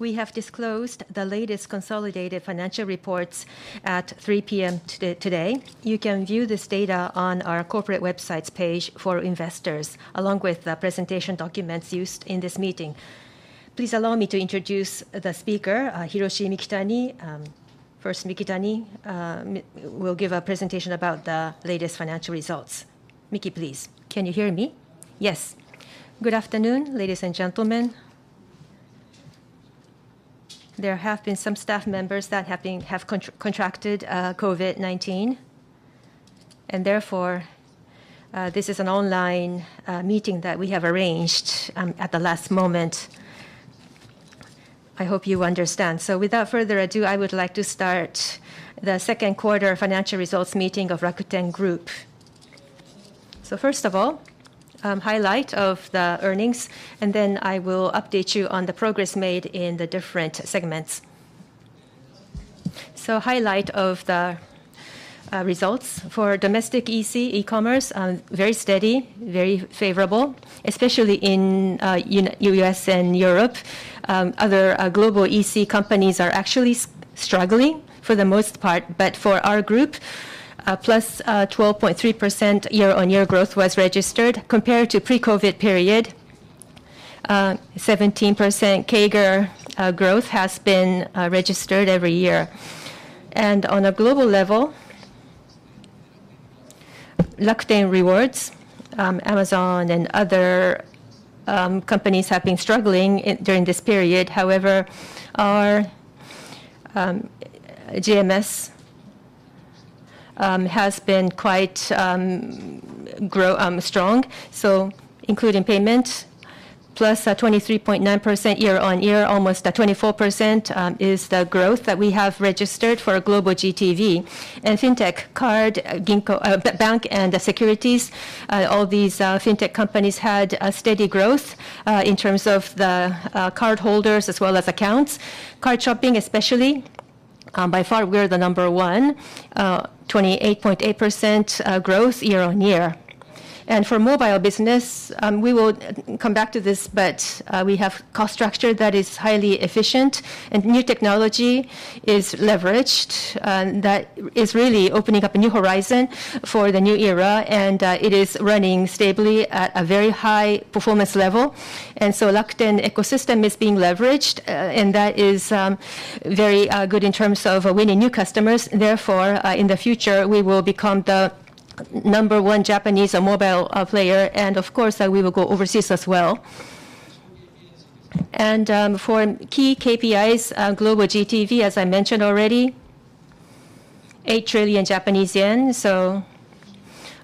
We have disclosed the latest consolidated financial reports at 3:00 P.M. today. You can view this data on our corporate website's page for investors, along with the presentation documents used in this meeting. Please allow me to introduce the speaker, Hiroshi Mikitani. First, Mikitani will give a presentation about the latest financial results. Miki, please. Can you hear me? Yes. Good afternoon, ladies and gentlemen. There have been some staff members that have contracted COVID-19, and therefore, this is an online meeting that we have arranged at the last moment. I hope you understand. Without further ado, I would like to start the second quarter financial results meeting of Rakuten Group. First of all, highlights of the earnings, and then I will update you on the progress made in the different segments. Highlight of the results for Domestic EC e-commerce very steady, very favorable, especially in U.S. and Europe. Other global EC companies are actually struggling for the most part, but for our group, plus 12.3% year-on-year growth was registered. Compared to pre-COVID period, 17% CAGR growth has been registered every year. On a global level, Rakuten Rewards, Amazon and other companies have been struggling during this period. However, our GMS has been quite strong. Including payment, plus 23.9% year-on-year, almost 24%, is the growth that we have registered for our Global GTV. In fintech card, Ginko, bank and securities, all these fintech companies had a steady growth in terms of the cardholders as well as accounts. Card shopping, especially, by far we're the number one 28.8% growth year-over-year. For mobile business, we will come back to this, but we have cost structure that is highly efficient and new technology is leveraged that is really opening up a new horizon for the new era, and it is running stably at a very high performance level. Rakuten ecosystem is being leveraged, and that is very good in terms of winning new customers. Therefore, in the future, we will become the number one Japanese mobile player and of course, we will go overseas as well. For key KPIs, Global GTV, as I mentioned already, 8 trillion Japanese yen, so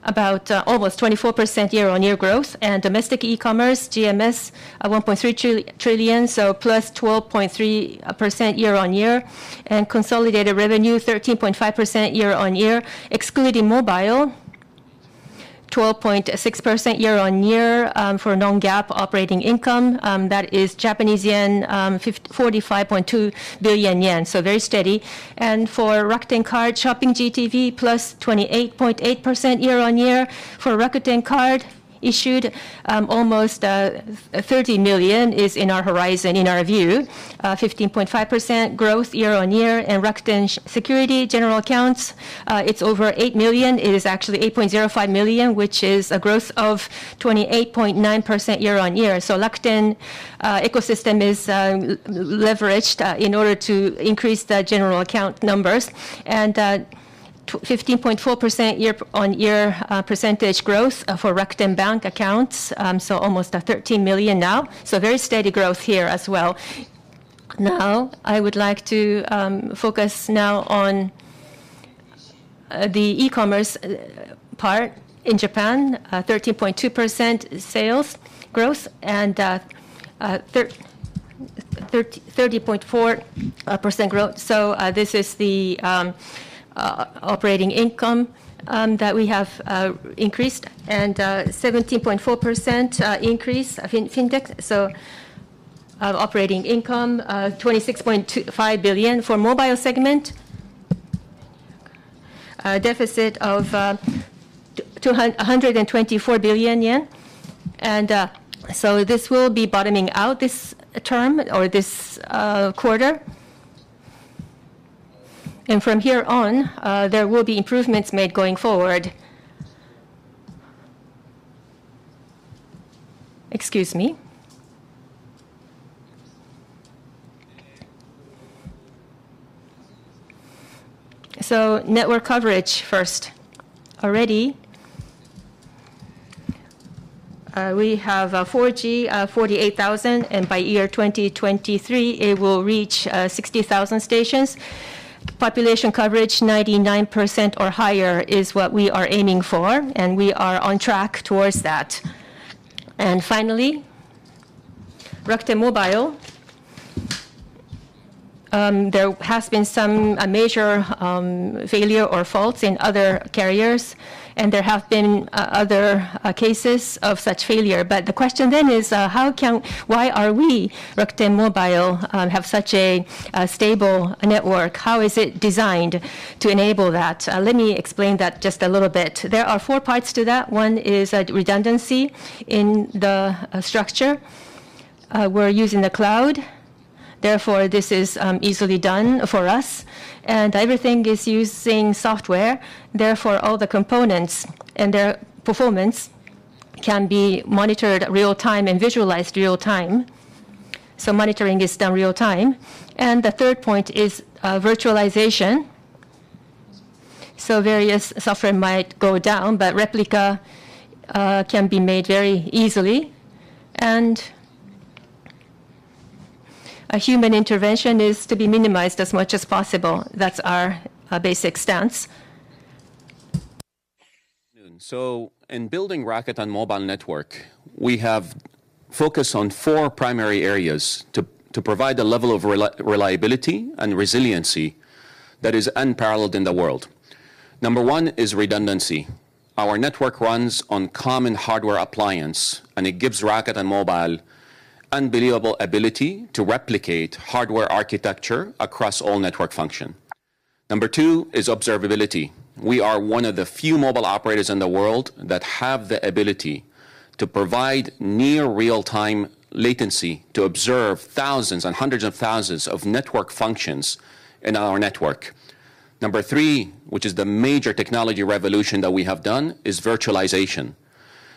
about almost 24% year-on-year growth. Domestic e-commerce GMS, 1.3 trillion, so +12.3% year-on-year. Consolidated revenue, 13.5% year-on-year. Excluding mobile, 12.6% year-on-year. For non-GAAP operating income, that is 45.2 billion yen, so very steady. For Rakuten Card shopping GTV, +28.8% year-on-year. For Rakuten Card issued, almost 30 million is in our horizon, in our view. 15.5% growth year-on-year. In Rakuten Securities general accounts, it's over eight million. It is actually 8.05 million, which is a growth of 28.9% year-on-year. Rakuten ecosystem is leveraged in order to increase the general account numbers. 15.4% year-on-year percentage growth for Rakuten Bank accounts, so almost 13 million now. Very steady growth here as well. I would like to focus now on the e-commerce part in Japan. 13.2% sales growth and 30.4% growth. This is the operating income that we have increased and 17.4% increase in Fintech. Operating income 26.25 billion. For mobile segment, deficit of 224 billion yen. This will be bottoming out this term or this quarter. From here on, there will be improvements made going forward. Excuse me. Network coverage first. Already, we have 4G, 48,000, and by year 2023, it will reach 60,000 stations. Population coverage, 99% or higher is what we are aiming for, and we are on track towards that. Finally, Rakuten Mobile. There has been some major failure or faults in other carriers, and there have been other cases of such failure. The question then is, why are we, Rakuten Mobile, have such a stable network? How is it designed to enable that? Let me explain that just a little bit. There are four parts to that. One is redundancy in the structure. We're using the cloud. Therefore, this is easily done for us, and everything is using software. Therefore, all the components and their performance can be monitored real-time and visualized real-time. Monitoring is done real-time. The third point is virtualization. Various software might go down, but replica can be made very easily. A human intervention is to be minimized as much as possible. That's our basic stance. In building Rakuten Mobile network, we have focused on four primary areas to provide the level of reliability and resiliency that is unparalleled in the world. Number one is redundancy. Our network runs on common hardware appliance, and it gives Rakuten Mobile unbelievable ability to replicate hardware architecture across all network function. Number two is observability. We are one of the few mobile operators in the world that have the ability to provide near real-time visibility to observe thousands and hundreds of thousands of network functions in our network. Number three, which is the major technology revolution that we have done, is virtualization.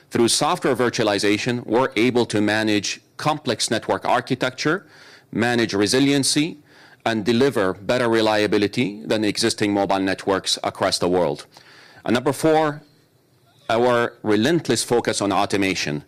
Through software virtualization, we're able to manage complex network architecture, manage resiliency, and deliver better reliability than existing mobile networks across the world. Number four, our relentless focus on automation.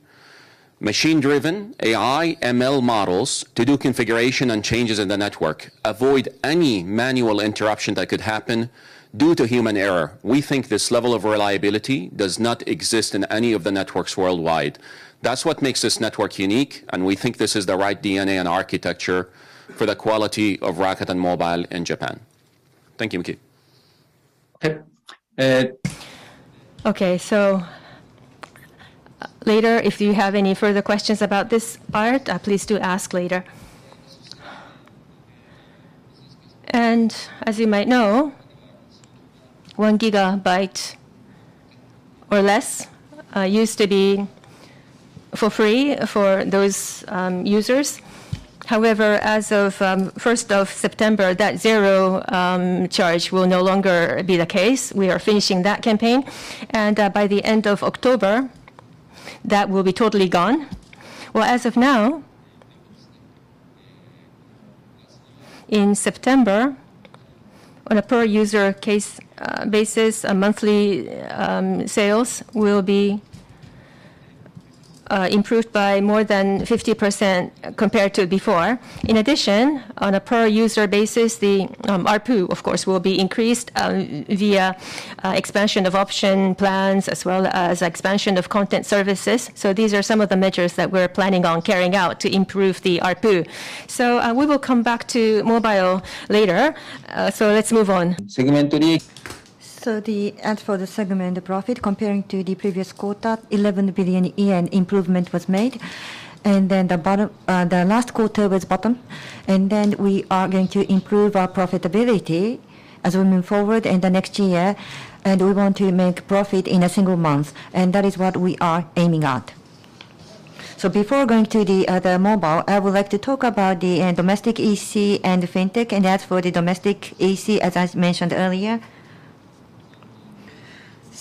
Machine-driven AI, ML models to do configuration and changes in the network avoid any manual interruption that could happen due to human error. We think this level of reliability does not exist in any of the networks worldwide. That's what makes this network unique, and we think this is the right DNA and architecture for the quality of Rakuten Mobile in Japan. Thank you, Miki. Okay. Later, if you have any further questions about this part, please do ask later. As you might know, 1 GB or less used to be for free for those users. However, as of first of September, that zero charge will no longer be the case. We are finishing that campaign. By the end of October, that will be totally gone. Well, as of now, in September, on a per-user basis, monthly sales will be improved by more than 50% compared to before. In addition, on a per-user basis, the ARPU, of course, will be increased via expansion of option plans as well as expansion of content services. These are some of the measures that we're planning on carrying out to improve the ARPU. We will come back to mobile later. Let's move on. Segment 3. As for the segment profit, comparing to the previous quarter, 11 billion yen improvement was made. The last quarter was bottom. We are going to improve our profitability as we move forward in the next year. We want to make profit in a single month, and that is what we are aiming at. Before going to the mobile, I would like to talk about the Domestic EC and fintech. As for the Domestic EC, as I mentioned earlier,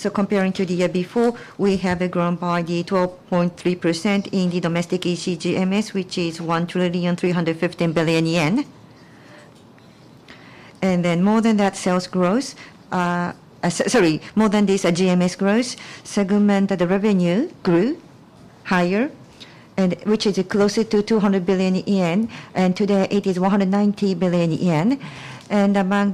comparing to the year before, we have grown by 12.3% in the Domestic EC GMS, which is 1,315 billion yen. More than that, sales growth, more than this GMS growth, segment revenue grew higher and which is closer to 200 billion yen, and today it is 190 billion yen. Among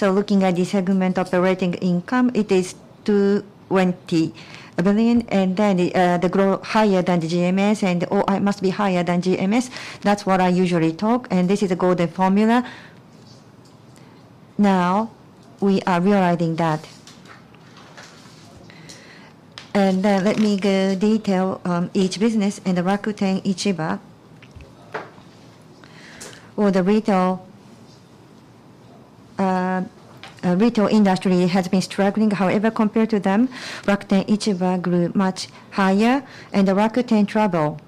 that, looking at the segment operating income, it is 220 billion. The growth higher than the GMS, it must be higher than GMS. That's what I usually talk, and this is a golden formula. Now we are realizing that. Let me go into detail, each business in the Rakuten Ichiba. For the retail industry has been struggling. However, compared to them, Rakuten Ichiba grew much higher and the Rakuten Travel.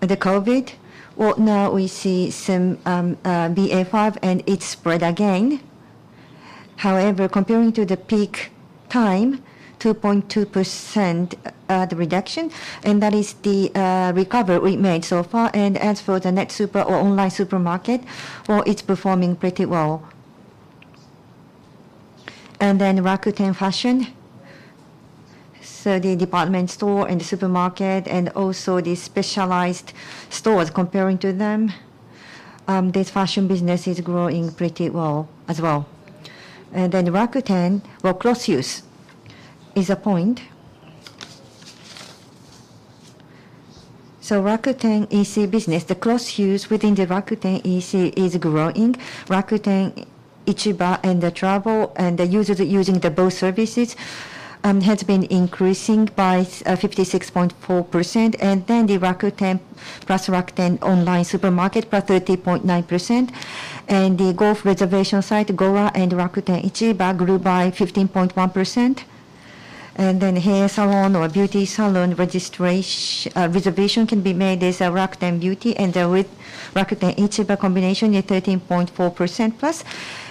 The COVID, now we see some BA.5 and it spread again. However, comparing to the peak time, 2.2%, the reduction, and that is the recovery we made so far. As for the Net Super or online supermarket, well, it's performing pretty well. Rakuten Fashion. The department store and the supermarket and also the specialized stores, comparing to them, this fashion business is growing pretty well as well. Rakuten, well, cross-use is a point. Rakuten EC business, the cross-use within the Rakuten EC is growing. Rakuten Ichiba and Rakuten Travel and the users using the both services has been increasing by 56.4%. Rakuten Ichiba plus Rakuten Online Supermarket, +30.9%. The golf reservation site, GORA and Rakuten Ichiba grew by 15.1%. Hair salon or beauty salon reservation can be made as a Rakuten Beauty, and with Rakuten Ichiba combination, 13.4% plus.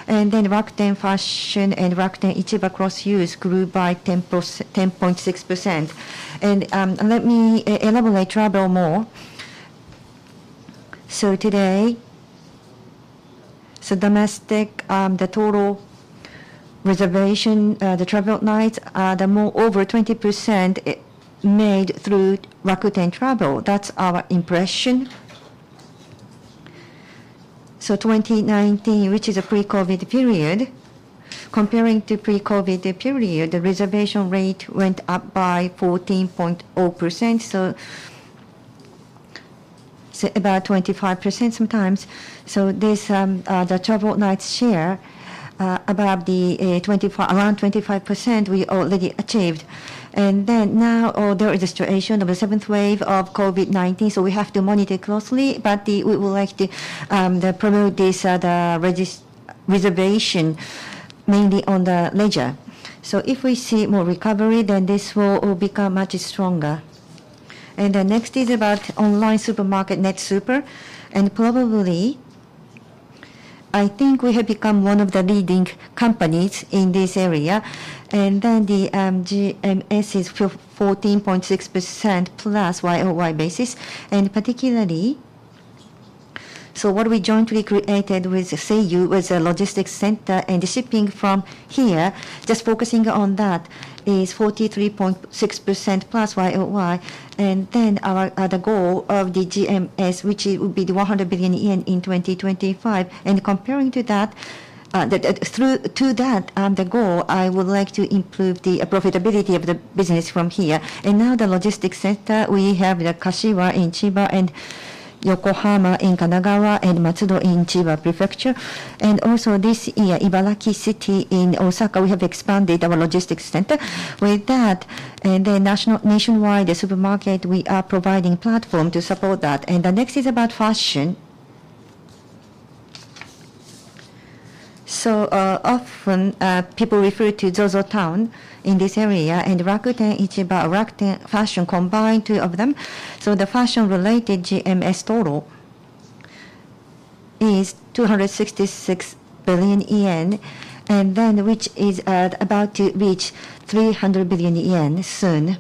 Rakuten Fashion and Rakuten Ichiba cross-use grew by 10.6%. Let me add and I will travel more. Today, domestic, the total reservation, the travel nights are more over 20% made through Rakuten Travel. That's our impression. 2019, which is a pre-COVID period, comparing to pre-COVID period, the reservation rate went up by 14.0%, so say about 25% sometimes. This, the travel nights share above the around 25% we already achieved. Now all the registration of a seventh wave of COVID-19, so we have to monitor closely, but we would like to promote this reservation mainly on the leisure. If we see more recovery, then this will all become much stronger. The next is about online supermarket, Net Super. Probably, I think we have become one of the leading companies in this area. The GMS is for 14.6% + Y-o-Y basis. Particularly, so what we jointly created with Seiyu was a logistics center, and the shipping from here, just focusing on that, is 43.6% + Y-o-Y. Then our the goal of the GMS, which will be 100 billion yen in 2025, and comparing to that, the through to that, the goal, I would like to improve the profitability of the business from here. Now the logistics center, we have the Kashiwa in Chiba, and Yokohama in Kanagawa, and Matsudo in Chiba Prefecture. Also this year, Ibaraki City in Osaka, we have expanded our logistics center. With that, the nationwide supermarket, we are providing platform to support that. The next is about fashion. Often people refer to ZOZOTOWN in this area, and Rakuten Ichiba, Rakuten Fashion combined, two of them. The fashion-related GMS total is 266 billion yen, and then which is about to reach 300 billion yen soon.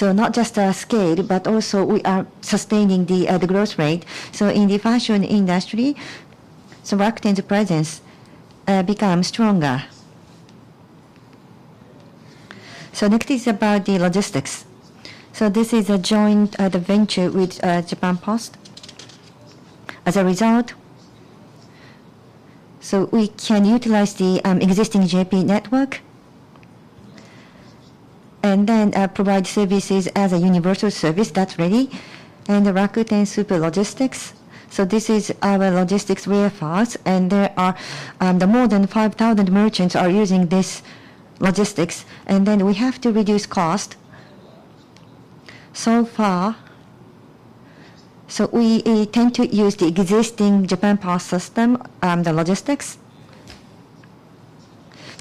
Not just the scale, but also we are sustaining the growth rate. In the fashion industry, Rakuten's presence become stronger. Next is about the logistics. This is a joint venture with Japan Post. As a result, we can utilize the existing JP network, and then provide services as a universal service that's ready. The Rakuten Super Logistics, this is our logistics warehouse, and there are more than 5,000 merchants are using this logistics. We have to reduce cost. So far, we tend to use the existing Japan Post system, the logistics.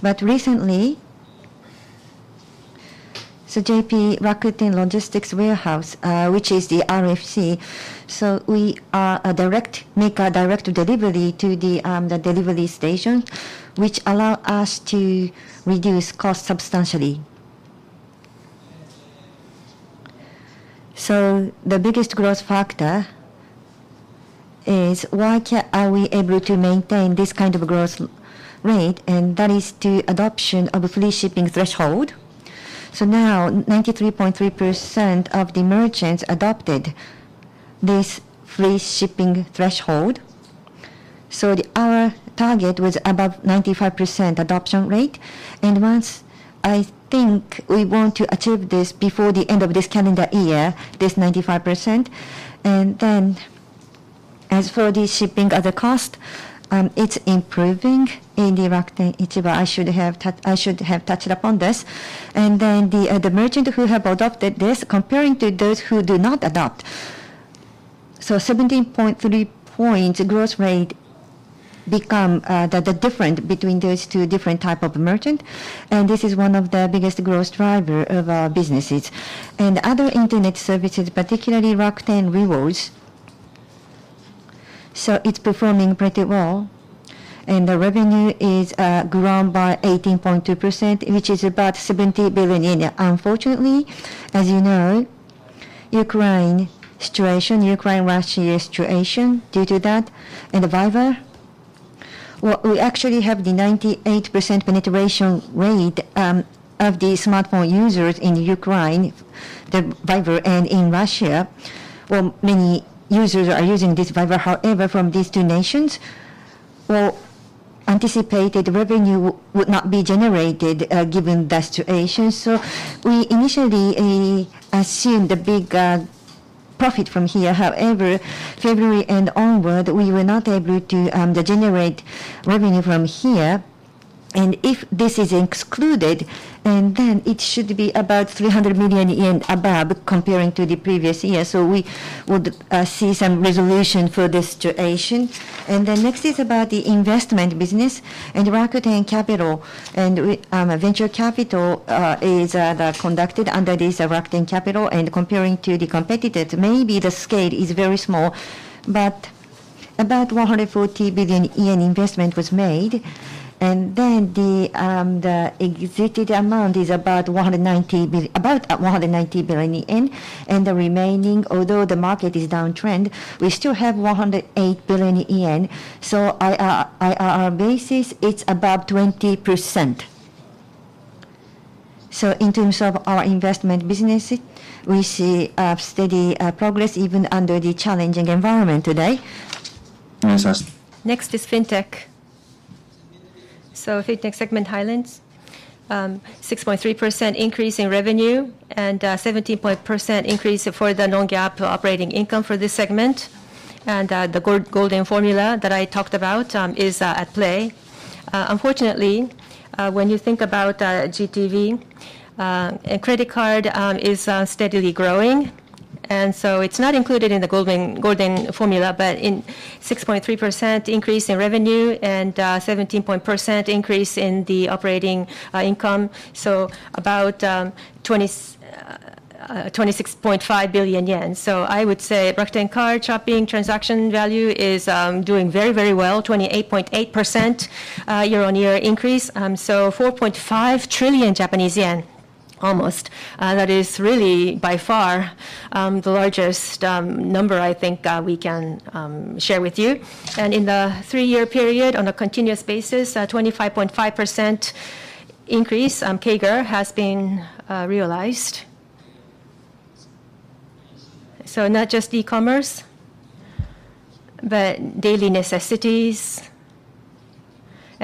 Recently, JP Rakuten Logistics Warehouse, which is the RFC, we make a direct delivery to the delivery station, which allow us to reduce cost substantially. The biggest growth factor is why are we able to maintain this kind of growth rate? That is the adoption of free shipping threshold. Now 93.3% of the merchants adopted this free shipping threshold. Our target was above 95% adoption rate. Once I think we want to achieve this before the end of this calendar year, this 95%. As for the shipping other cost, it's improving in the Rakuten Ichiba. I should have touched upon this. The merchants who have adopted this, comparing to those who do not adopt. 17.3 points growth rate becomes the difference between those two different types of merchants. This is one of the biggest growth driver of our businesses. Other internet services, particularly Rakuten Rewards. It's performing pretty well. The revenue is grown by 18.2%, which is about 70 billion yen. Unfortunately, as you know, Ukraine situation, Ukraine-Russia situation, due to that, and Viber, well, we actually have the 98% penetration rate of the smartphone users in Ukraine, the Viber, and in Russia, where many users are using this Viber. However, from these two nations, well, anticipated revenue would not be generated given the situation. We initially assumed a big profit from here. However, February and onward, we were not able to generate revenue from here. If this is excluded, and then it should be about 300 million yen above comparing to the previous year. We would see some resolution for the situation. The next is about the investment business. Rakuten Capital and venture capital is conducted under this Rakuten Capital. Comparing to the competitors, maybe the scale is very small, but about 140 billion yen investment was made. The executed amount is about 190 billion yen. The remaining, although the market is downtrend, we still have 108 billion yen. Our basis, it's about 20%. In terms of our investment business, we see steady progress even under the challenging environment today. Next is FinTech. FinTech segment highlights 6.3% increase in revenue and 17% increase for the non-GAAP operating income for this segment. The golden formula that I talked about is at play. Unfortunately, when you think about GTV and credit card is steadily growing, it's not included in the golden formula. In 6.3% increase in revenue and 17% increase in the operating income, so about 26.5 billion yen. I would say Rakuten Card shopping transaction value is doing very, very well, 28.8% year-on-year increase, so 4.5 trillion Japanese yen almost. That is really by far the largest number I think we can share with you. In the three-year period on a continuous basis, 25.5% increase on CAGR has been realized. Not just e-commerce, but daily necessities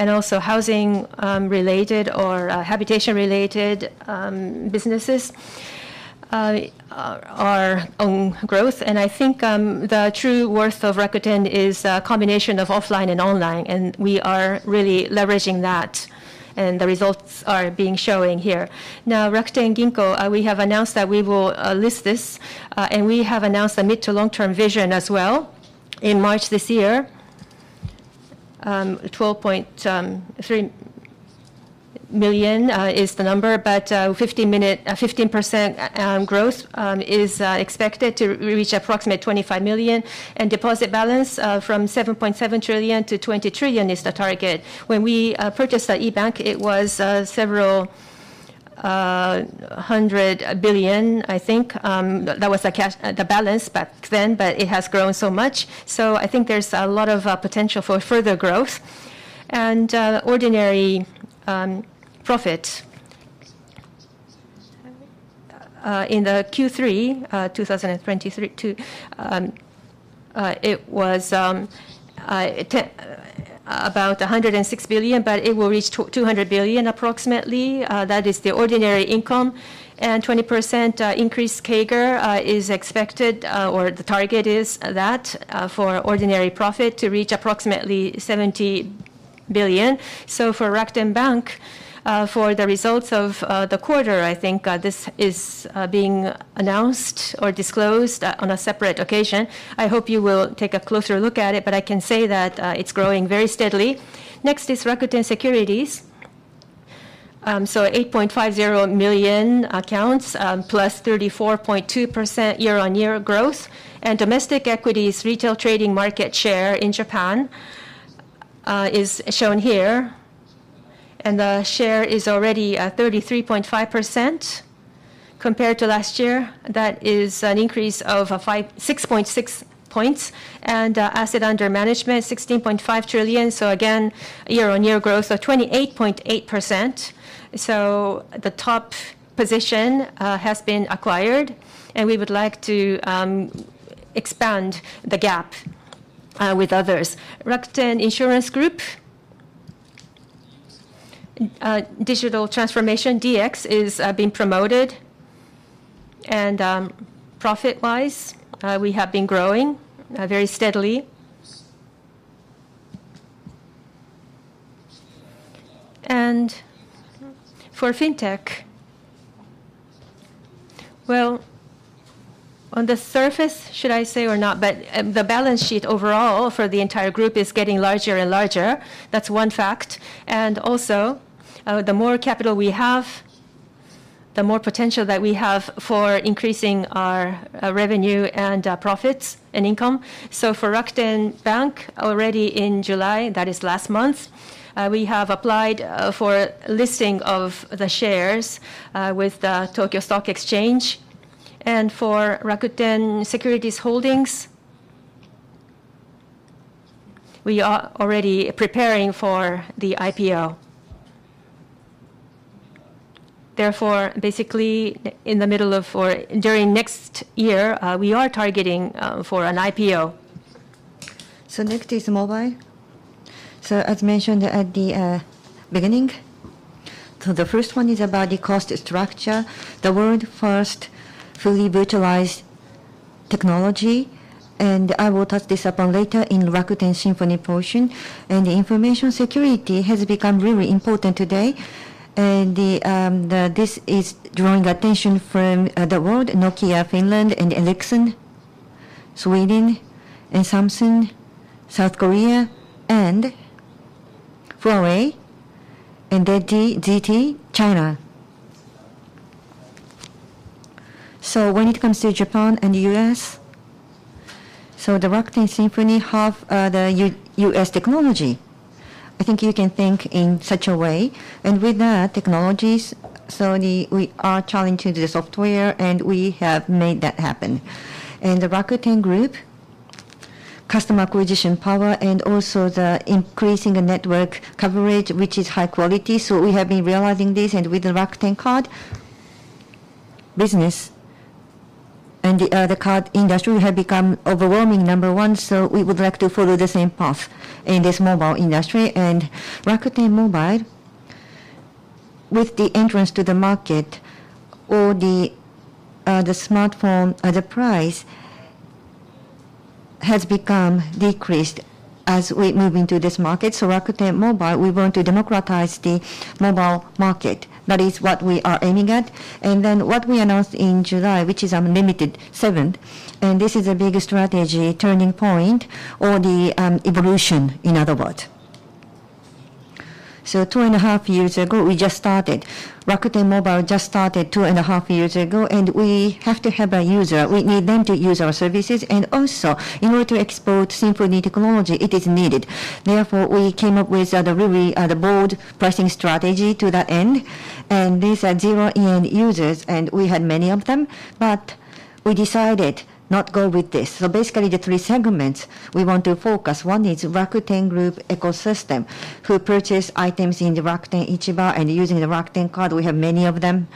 and also housing-related or habitation-related businesses are on growth. I think the true worth of Rakuten is a combination of offline and online, and we are really leveraging that, and the results are being showing here. Now, Rakuten Bank, we have announced that we will list this, and we have announced a mid- to long-term vision as well in March this year. 12.3 million is the number, but 15% growth is expected to reach approximate 25 million. Deposit balance from 7.7 trillion-20 trillion is the target. When we purchased the eBANK, it was JPY several hundred billion, I think. That was the balance back then, but it has grown so much. I think there's a lot of potential for further growth. Ordinary profit in Q3 2023 it was about 106 billion, but it will reach 200 billion approximately. That is the ordinary income. 20% increase CAGR is expected or the target is that for ordinary profit to reach approximately 70 billion. For Rakuten Bank, for the results of the quarter, I think this is being announced or disclosed on a separate occasion. I hope you will take a closer look at it, but I can say that, it's growing very steadily. Next is Rakuten Securities. 8.50 million accounts, +34.2% year-on-year growth. Domestic equities retail trading market share in Japan is shown here. The share is already at 33.5% compared to last year. That is an increase of six point six points. Assets under management, 16.5 trillion. Year-on-year growth of 28.8%. The top position has been acquired, and we would like to expand the gap with others. Rakuten Insurance Holdings. Digital transformation, DX, is being promoted. Profit-wise, we have been growing very steadily. For FinTech, well, on the surface, should I say or not, but, the balance sheet overall for the entire group is getting larger and larger. That's one fact. Also, the more capital we have, the more potential that we have for increasing our revenue and profits and income. For Rakuten Bank, already in July, that is last month, we have applied for listing of the shares with the Tokyo Stock Exchange. For Rakuten Securities Holdings, we are already preparing for the IPO. Therefore, basically in the middle of or during next year, we are targeting for an IPO. Next is Mobile. As mentioned at the beginning. The first one is about the cost structure, the world first fully virtualized technology. I will touch this upon later in Rakuten Symphony portion. Information security has become really important today. This is drawing attention from the world, Nokia, Finland, and Ericsson, Sweden and Samsung, South Korea, and Huawei and ZTE, China. When it comes to Japan and U.S., the Rakuten Symphony have the U.S. technology. I think you can think in such a way, and with that, technologies, we are challenging the software, and we have made that happen. The Rakuten Group, customer acquisition power and also the increasing network coverage, which is high quality. We have been realizing this, and with the Rakuten Card business and the card industry, we have become overwhelmingly number one, so we would like to follow the same path in this mobile industry. Rakuten Mobile, with the entrance to the market or the smartphone prices have decreased as we move into this market. Rakuten Mobile, we want to democratize the mobile market. That is what we are aiming at. What we announced in July, which is UN-LIMIT VII, and this is a big strategy turning point or the evolution, in other words. Two and a half years ago, we just started. Rakuten Mobile just started two and a half years ago, and we have to have a user. We need them to use our services. In order to export Symphony technology, it is needed. Therefore, we came up with the really bold pricing strategy to that end, and these are zero-yen users, and we had many of them, but we decided not to go with this. The three segments we want to focus. One is Rakuten Group ecosystem, who purchase items in the Rakuten Ichiba and using the Rakuten Card. We have many of them,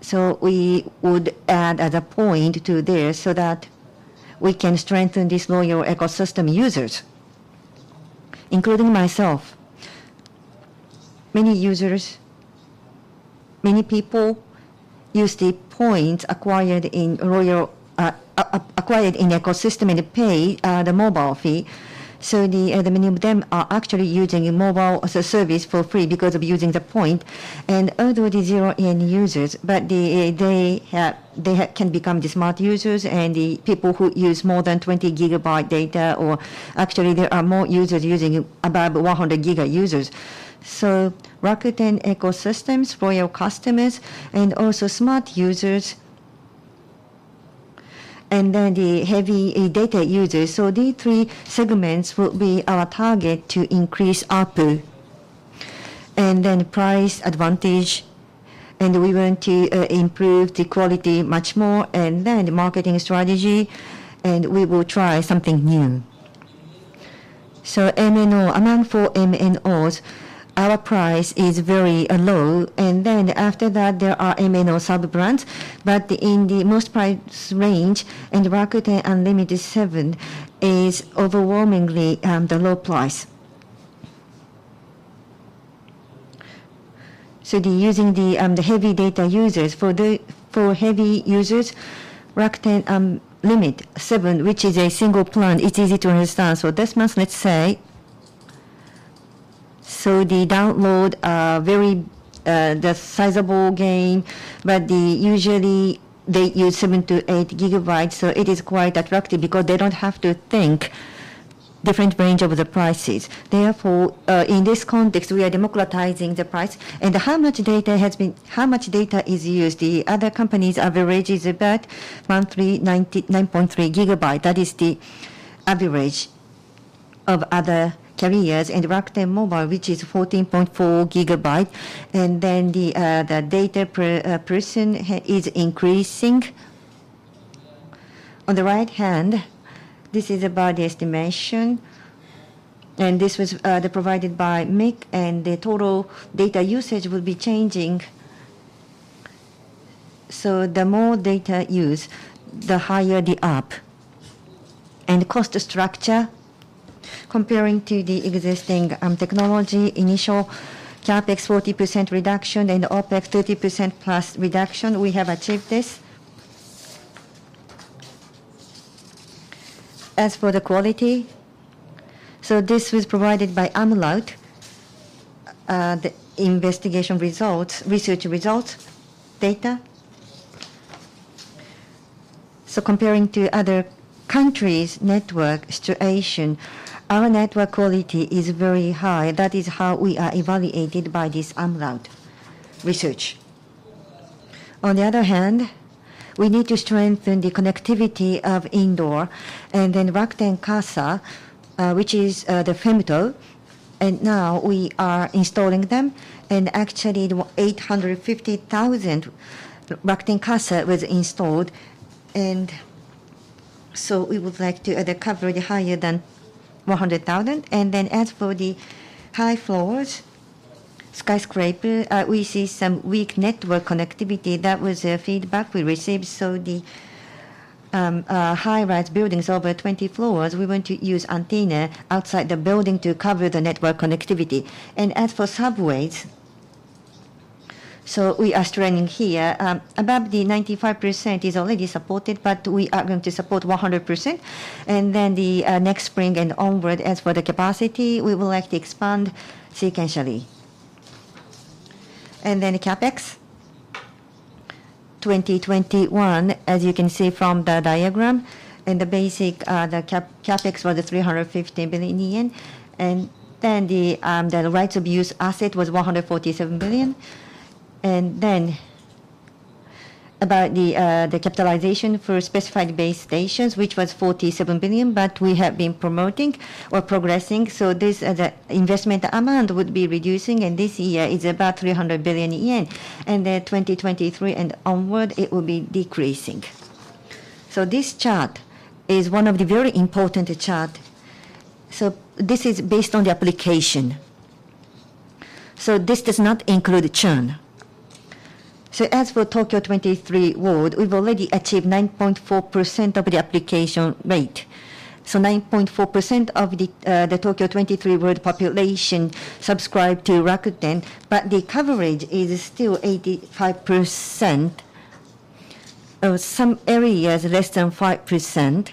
so we would add as a point to this so that we can strengthen this loyalty ecosystem users, including myself. Many users, many people use the points acquired in loyalty acquired in ecosystem and pay the mobile fee, so many of them are actually using mobile as a service for free because of using the point. Although they're zero-yen users, they can become the smart users and the people who use more than 20 GB data or actually, there are more users using above 100 GB users. Rakuten ecosystem's loyal customers and also smart users and then the heavy data users. These three segments will be our target to increase ARPU. Price advantage, and we want to improve the quality much more, and then the marketing strategy, and we will try something new. MNO, among four MNOs, our price is very low, and then after that, there are MNO sub-brands, but in the mid-priced range, and Rakuten UN-LIMIT VII is overwhelmingly the low price. Using the heavy data users, for heavy users, Rakuten UN-LIMIT VII, which is a single plan, it's easy to understand. This month, let's say, they download a very sizable game, but they usually use 7-8 GB, so it is quite attractive because they don't have to think different range of the prices. Therefore, in this context, we are democratizing the price. How much data is used? The other companies average is about 139.3 GB. That is the average of other carriers. Rakuten Mobile, which is 14.4 GB, and then the data per person is increasing. On the right hand, this is about the estimation, and this was provided by MIC, and the total data usage will be changing. The more data used, the higher the ARPU. Cost structure, comparing to the existing technology, initial CapEx 40% reduction and OpEx 30%+ reduction, we have achieved this. As for the quality, this was provided by Umlaut, the investigation results, research results data. Comparing to other countries' network situation, our network quality is very high. That is how we are evaluated by this Umlaut research. On the other hand, we need to strengthen the connectivity of indoor, and then Rakuten Casa, which is the femto, and now we are installing them. Actually, 850,000 Rakuten Casa was installed, we would like to the coverage higher than 100,000. As for the high floors, skyscraper, we see some weak network connectivity. That was a feedback we received. The high-rise buildings over 20 floors, we want to use antenna outside the building to cover the network connectivity. As for subways, we are strengthening here. Above the 95% is already supported, but we are going to support 100%. Next spring and onward, as for the capacity, we would like to expand sequentially. CapEx. 2021, as you can see from the diagram, the basic CapEx was 350 billion yen. The rights of use asset was 147 billion. About the capitalization for specified base stations, which was 47 billion, but we have been promoting or progressing. This investment amount would be reducing, and this year it's about 300 billion yen. 2023 and onward, it will be decreasing. This chart is one of the very important chart. This is based on the application. This does not include churn. As for Tokyo 23 wards, we've already achieved 9.4% of the application rate. 9.4% of the Tokyo 23-ward population subscribed to Rakuten, but the coverage is still 85%. Some areas less than 5%.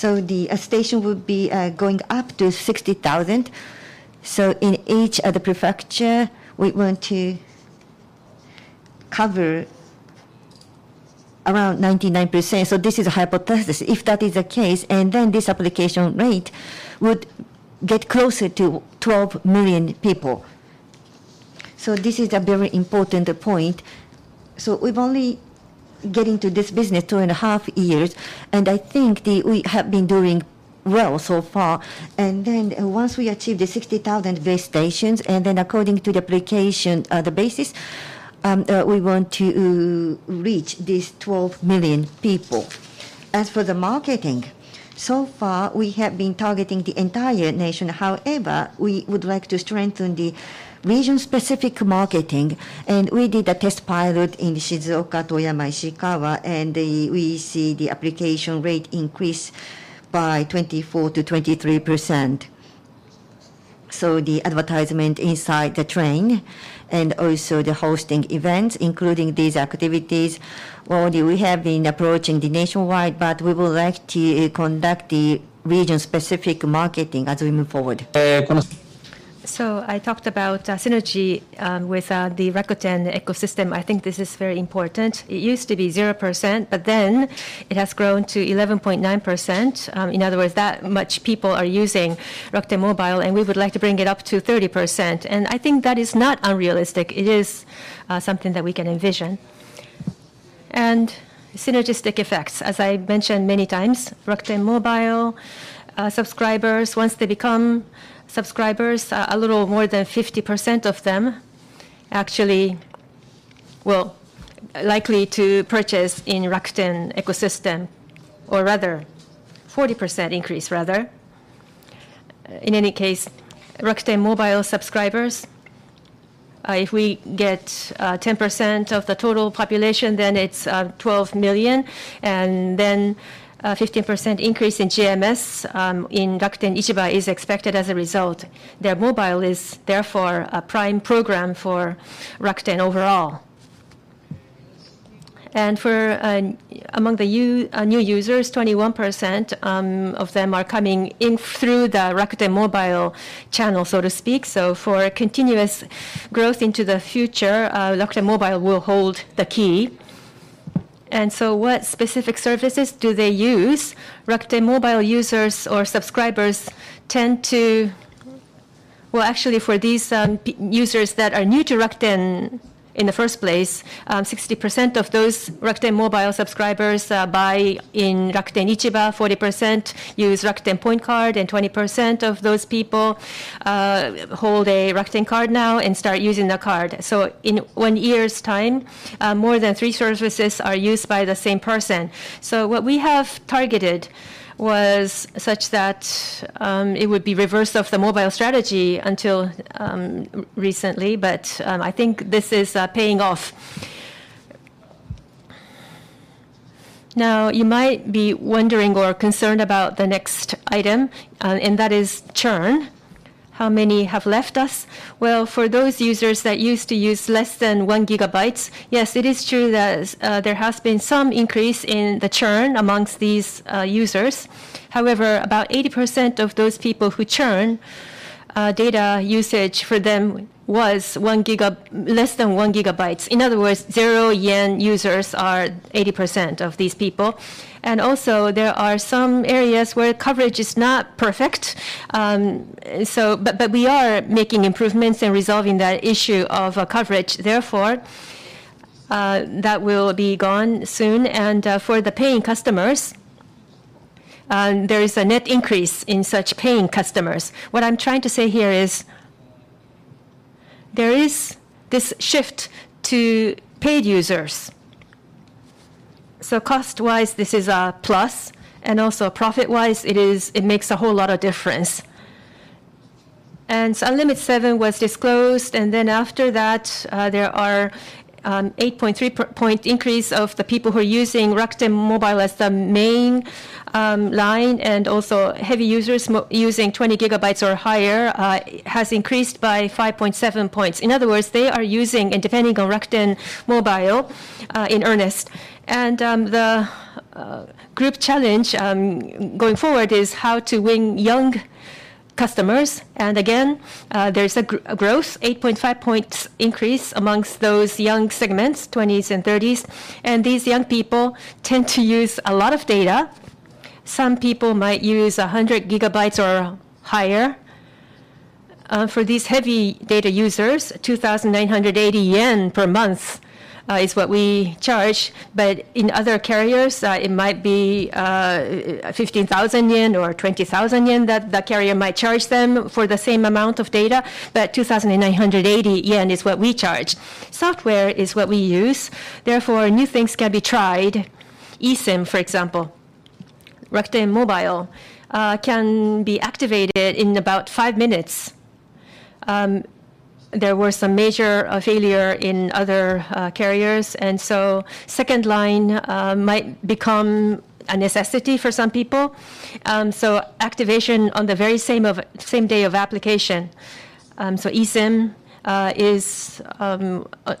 The stations will be going up to 60,000. In each of the prefecture, we want to cover around 99%. This is a hypothesis, if that is the case, and then this application rate would get closer to 12 million people. This is a very important point. We've only gotten into this business 2.5 years, and I think we have been doing well so far. Once we achieve the 60,000 base stations, according to the application basis, we want to reach these 12 million people. As for the marketing, so far we have been targeting the entire nation. However, we would like to strengthen the region-specific marketing, and we did a test pilot in Shizuoka, Toyama, Ishikawa, we see the application rate increase by 24%-23%. The advertisement inside the train and also the hosting events, including these activities. We have been approaching the nationwide, but we would like to conduct the region-specific marketing as we move forward. I talked about synergy with the Rakuten ecosystem. I think this is very important. It used to be 0%, but then it has grown to 11.9%. In other words, that much people are using Rakuten Mobile, and we would like to bring it up to 30%. I think that is not unrealistic. It is something that we can envision. Synergistic effects, as I mentioned many times, Rakuten Mobile subscribers, once they become subscribers, a little more than 50% of them actually will likely to purchase in Rakuten ecosystem, or rather 40% increase rather. In any case, Rakuten Mobile subscribers, if we get 10% of the total population, then it's twelve million, and then a 15% increase in GMS in Rakuten Ichiba is expected as a result. The mobile is therefore a prime program for Rakuten overall. Among the new users, 21% of them are coming in through the Rakuten Mobile channel, so to speak. For continuous growth into the future, Rakuten Mobile will hold the key. What specific services do they use? Rakuten Mobile users or subscribers tend to— Well, actually, for these users that are new to Rakuten in the first place, 60% of those Rakuten Mobile subscribers buy in Rakuten Ichiba, 40% use Rakuten Point Card, and 20% of those people hold a Rakuten Card now and start using the card. In one year's time, more than three services are used by the same person. What we have targeted was such that it would be reverse of the mobile strategy until recently, but I think this is paying off. Now you might be wondering or concerned about the next item, and that is churn. How many have left us? Well, for those users that used to use less than 1 GB, yes, it is true that there has been some increase in the churn among these users. However, about 80% of those people who churn, data usage for them was less than 1 GB. In other words, zero-yen users are 80% of these people. Also, there are some areas where coverage is not perfect. But we are making improvements and resolving that issue of coverage. Therefore, that will be gone soon. For the paying customers, there is a net increase in such paying customers. What I'm trying to say here is there is this shift to paid users. Cost-wise, this is a plus, and also profit-wise it makes a whole lot of difference. UN-LIMIT VII was disclosed, and then after that, there are 8.3-point increase of the people who are using Rakuten Mobile as the main line, and also heavy users using 20 GB or higher has increased by 5.7 points. In other words, they are using and depending on Rakuten Mobile in earnest. The group challenge going forward is how to win young customers. Again, there's a growth, 8.5-point increase amongst those young segments, twenties and thirties. These young people tend to use a lot of data. Some people might use 100 GB or higher. For these heavy data users, 2,980 yen per month is what we charge. In other carriers, it might be 15,000 yen or 20,000 yen that the carrier might charge them for the same amount of data. 2,980 yen is what we charge. Software is what we use, therefore, new things can be tried. eSIM, for example. Rakuten Mobile can be activated in about five minutes. There were some major failure in other carriers, and so second line might become a necessity for some people. Activation on the same day of application. eSIM is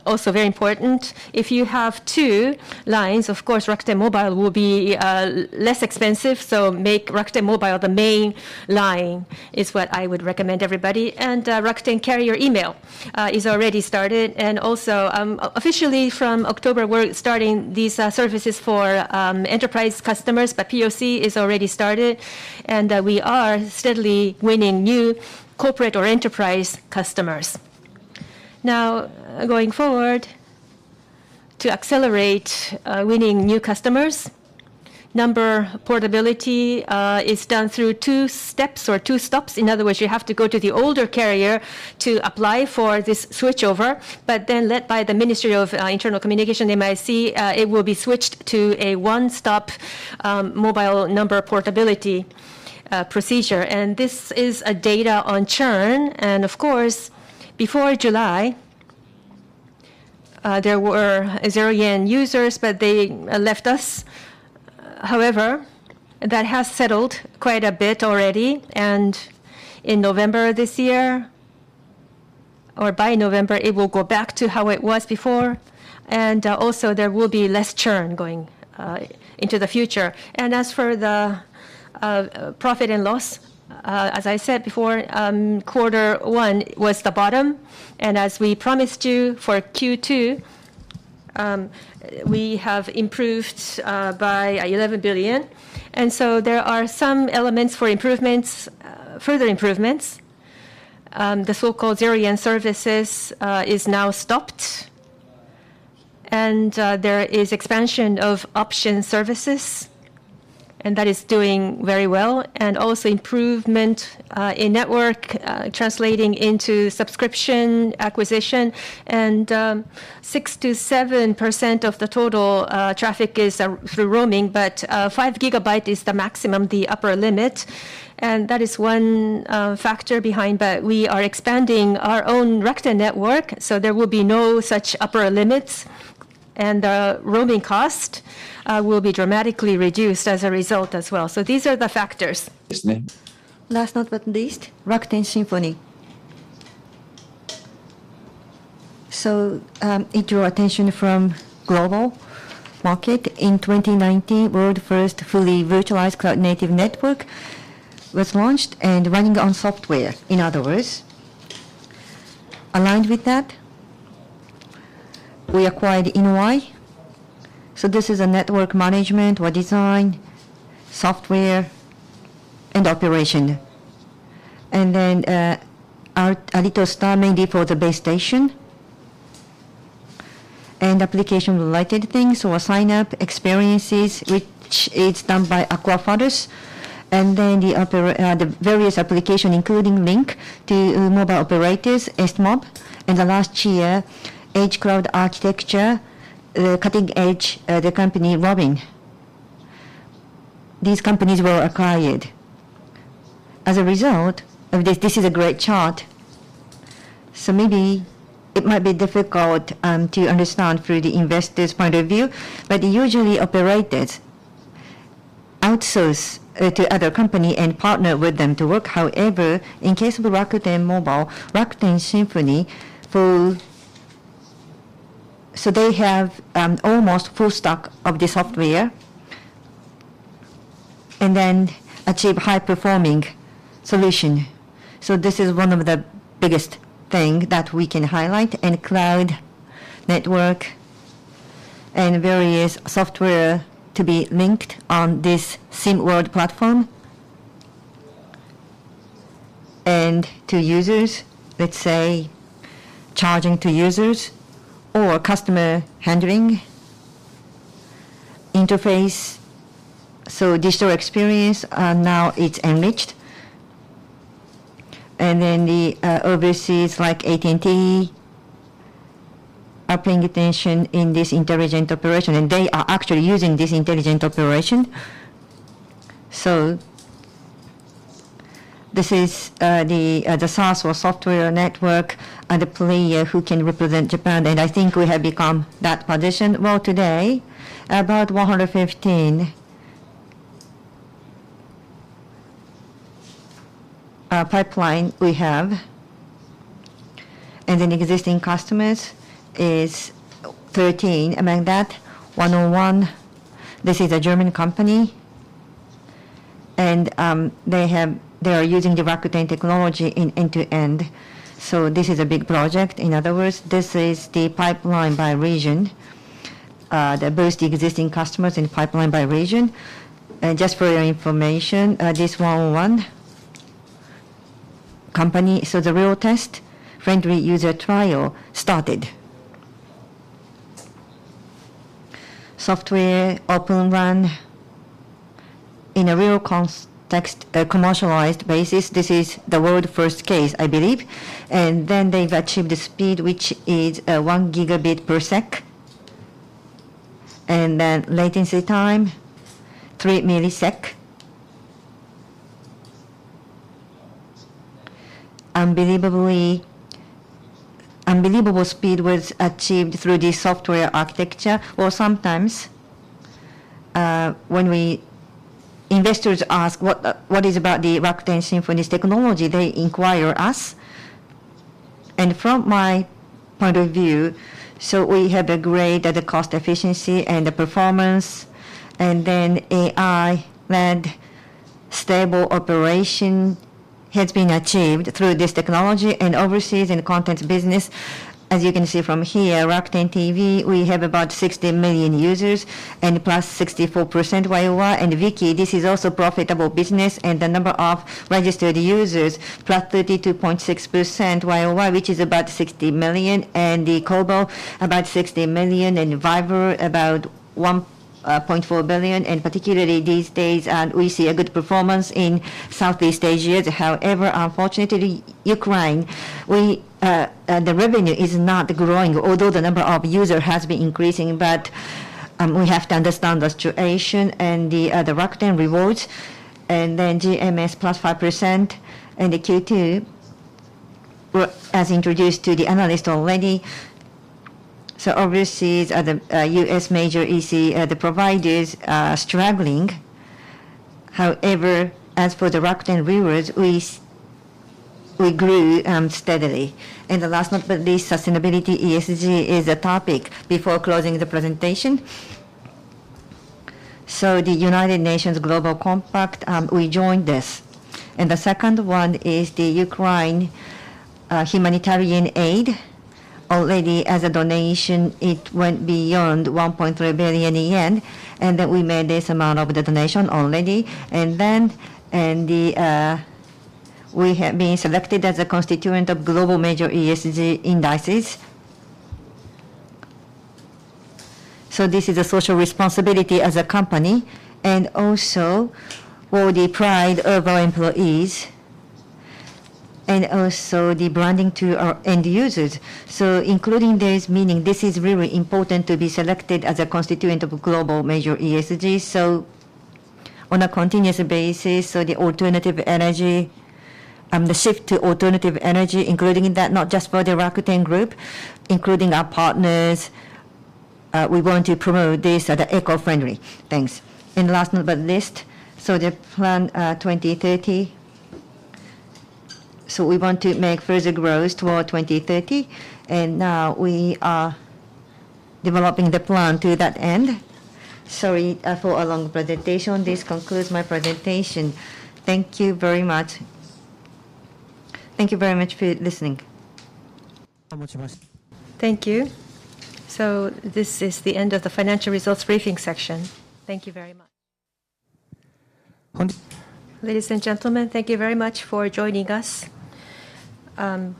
also very important. If you have two lines, of course, Rakuten Mobile will be less expensive, so make Rakuten Mobile the main line, is what I would recommend everybody. Rakuten Mail is already started. Officially from October, we're starting these services for enterprise customers, but POC is already started, and we are steadily winning new corporate or enterprise customers. Now, going forward, to accelerate winning new customers, number portability is done through two steps or two stops. In other words, you have to go to the older carrier to apply for this switchover. Led by the Ministry of Internal Affairs and Communications, MIC, it will be switched to a one-stop mobile number portability procedure. This is data on churn. Of course, before July, there were zero-yen users, but they left us. However, that has settled quite a bit already, and in November this year, or by November, it will go back to how it was before. There will be less churn going into the future. As for the profit and loss, as I said before, quarter one was the bottom. As we promised you for Q2, we have improved by 11 billion. There are some elements for improvements, further improvements. The so-called zero-yen services is now stopped. There is expansion of option services, and that is doing very well. Improvement in network translating into subscription acquisition. Six to seven percent of the total traffic is through roaming, but 5 GB is the maximum, the upper limit. That is one factor behind, but we are expanding our own Rakuten network, so there will be no such upper limits. Roaming cost will be dramatically reduced as a result as well. These are the factors. Last but not least, Rakuten Symphony. It drew attention from global market. In 2019, world-first fully virtualized cloud-native network was launched and running on software, in other words. Aligned with that, we acquired Innoeye. This is a network management or design, software and operation. Our Altiostar mainly for the base station. Application-related things or sign-up experiences, which is done by Aquafadas. The various application, including link to mobile operators, SMob. In the last year, edge cloud architecture, the cutting edge, the company Robin.io. These companies were acquired. As a result of this is a great chart. Maybe it might be difficult to understand through the investor's point of view, but usually operators outsource to other company and partner with them to work. However, in case of Rakuten Mobile, Rakuten Symphony full— They have almost full stack of the software and then achieve high-performing solution. This is one of the biggest thing that we can highlight, and cloud network and various software to be linked on this Symworld platform. To users, let's say, charging to users or customer handling interface. Digital experience now it's enriched. Overseas, like AT&T, are paying attention in this intelligent operation, and they are actually using this intelligent operation. This is the SaaS or software network the player who can represent Japan, and I think we have become that position. Well, today, about 115 pipeline we have and existing customers is 13. Among that, 1&1, this is a German company, and they are using the Rakuten technology end to end. This is a big project. In other words, this is the pipeline by region. Both the existing customers and pipeline by region. Just for your information, this 1&1 company, so the real test friendly user trial started. Software Open RAN in a real context, commercialized basis, this is the world's first case, I believe. They've achieved the speed, which is 1 Gbps. Latency time 3 milliseconds. Unbelievable speed was achieved through the software architecture. Sometimes, when investors ask what the Rakuten Symphony's technology is about, they inquire us. From my point of view, we have agreed that the cost efficiency and the performance, and then AI-RAN stable operation has been achieved through this technology. Overseas in the contents business, as you can see from here, Rakuten TV, we have about 60 million users and +64% YoY. Viki, this is also profitable business, and the number of registered users +32.6% YoY, which is about 60 million. The Kobo, about 60 million. Viber, about 1.4 billion. Particularly these days, we see a good performance in Southeast Asia. However, unfortunately, Ukraine, the revenue is not growing, although the number of users has been increasing. We have to understand the situation. The Rakuten Rewards, and then GMV +5%. The Q2, well, as introduced to the analyst already. Overseas, the U.S. major EC providers are struggling. However, as for the Rakuten Rewards, we grew steadily. The last but not least, sustainability. ESG is a topic before closing the presentation. The United Nations Global Compact, we joined this. The second one is the Ukraine humanitarian aid. Already as a donation it went beyond 1.3 billion yen, and that we made this amount of the donation already. Then we have been selected as a constituent of global major ESG indices. This is a social responsibility as a company, and also for the pride of our employees, and also the branding to our end users. Including this, meaning this is really important to be selected as a constituent of global major ESG. On a continuous basis, the alternative energy, the shift to alternative energy, including in that not just for the Rakuten Group, including our partners, we're going to promote this, the eco-friendly things. Last but not least, the plan, 2030. We want to make further growth toward 2030, and we are developing the plan to that end. Sorry for a long presentation. This concludes my presentation. Thank you very much. Thank you very much for listening. Thank you. This is the end of the Financial Results Briefing section. Thank you very much. Ladies and gentlemen, thank you very much for joining us on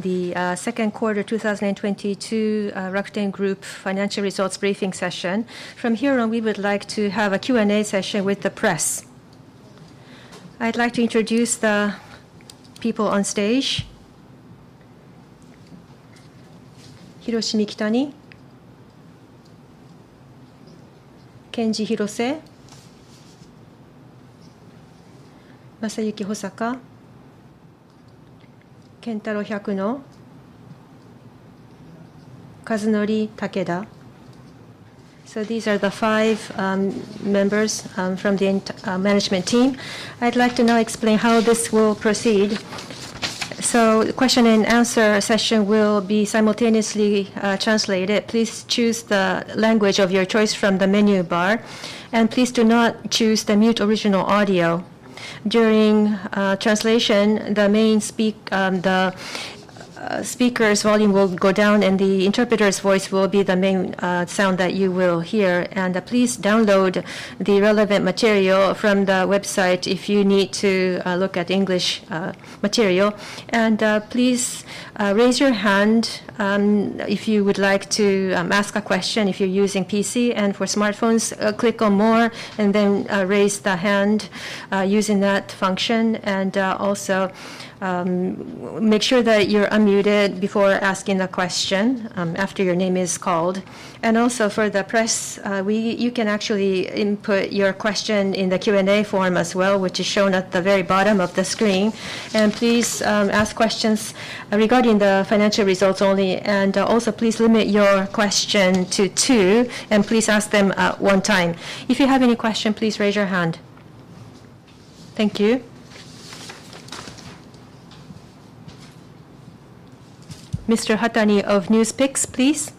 the second quarter 2022 Rakuten Group Financial Results Briefing Session. From here on, we would like to have a Q&A session with the press. I'd like to introduce the people on stage. Hiroshi Mikitani, Kenji Hirose, Masayuki Hosaka, Kentaro Hyakuno, Kazunori Takeda. These are the five members from the management team. I'd like to now explain how this will proceed. Question and answer session will be simultaneously translated. Please choose the language of your choice from the menu bar. Please do not choose to mute the original audio. During translation, the speaker's volume will go down, and the interpreter's voice will be the main sound that you will hear. Please download the relevant material from the website if you need to look at English material. Please raise your hand if you would like to ask a question if you're using PC. For smartphones, click on More, and then raise the hand using that function. Also, make sure that you're unmuted before asking a question after your name is called. Also for the press, you can actually input your question in the Q&A form as well, which is shown at the very bottom of the screen. Please ask questions regarding the financial results only. Also please limit your question to two, and please ask them at one time. If you have any question, please raise your hand. Thank you. Mr. Hatani of NewsPicks, please.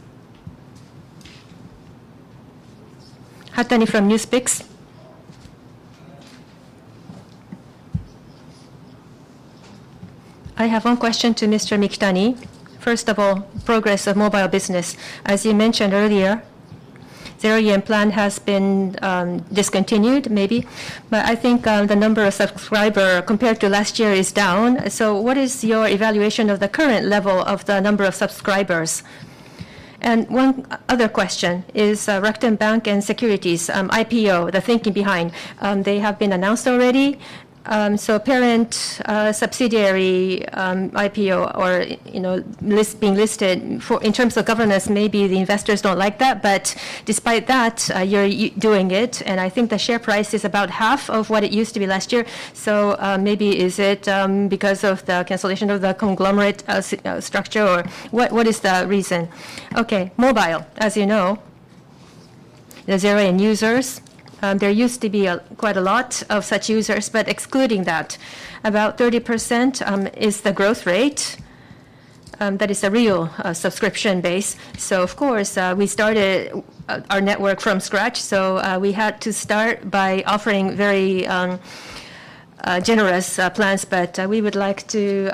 Hatani from NewsPicks. I have one question to Mr. Mikitani. First of all, progress of mobile business. As you mentioned earlier, zero-yen plan has been discontinued maybe, but I think the number of subscriber compared to last year is down. What is your evaluation of the current level of the number of subscribers? And one other question is Rakuten Bank and Securities IPO, the thinking behind. They have been announced already, so parent subsidiary IPO or, you know, being listed for... In terms of governance, maybe the investors don't like that, but despite that, you're doing it, and I think the share price is about half of what it used to be last year. Maybe is it because of the cancellation of the conglomerate structure or what is the reason? Okay. Mobile, as you know, the zero-yen users, there used to be quite a lot of such users, but excluding that. About 30% is the growth rate, that is a real subscription base. Of course, we started our network from scratch, so we had to start by offering very generous plans. But we would like to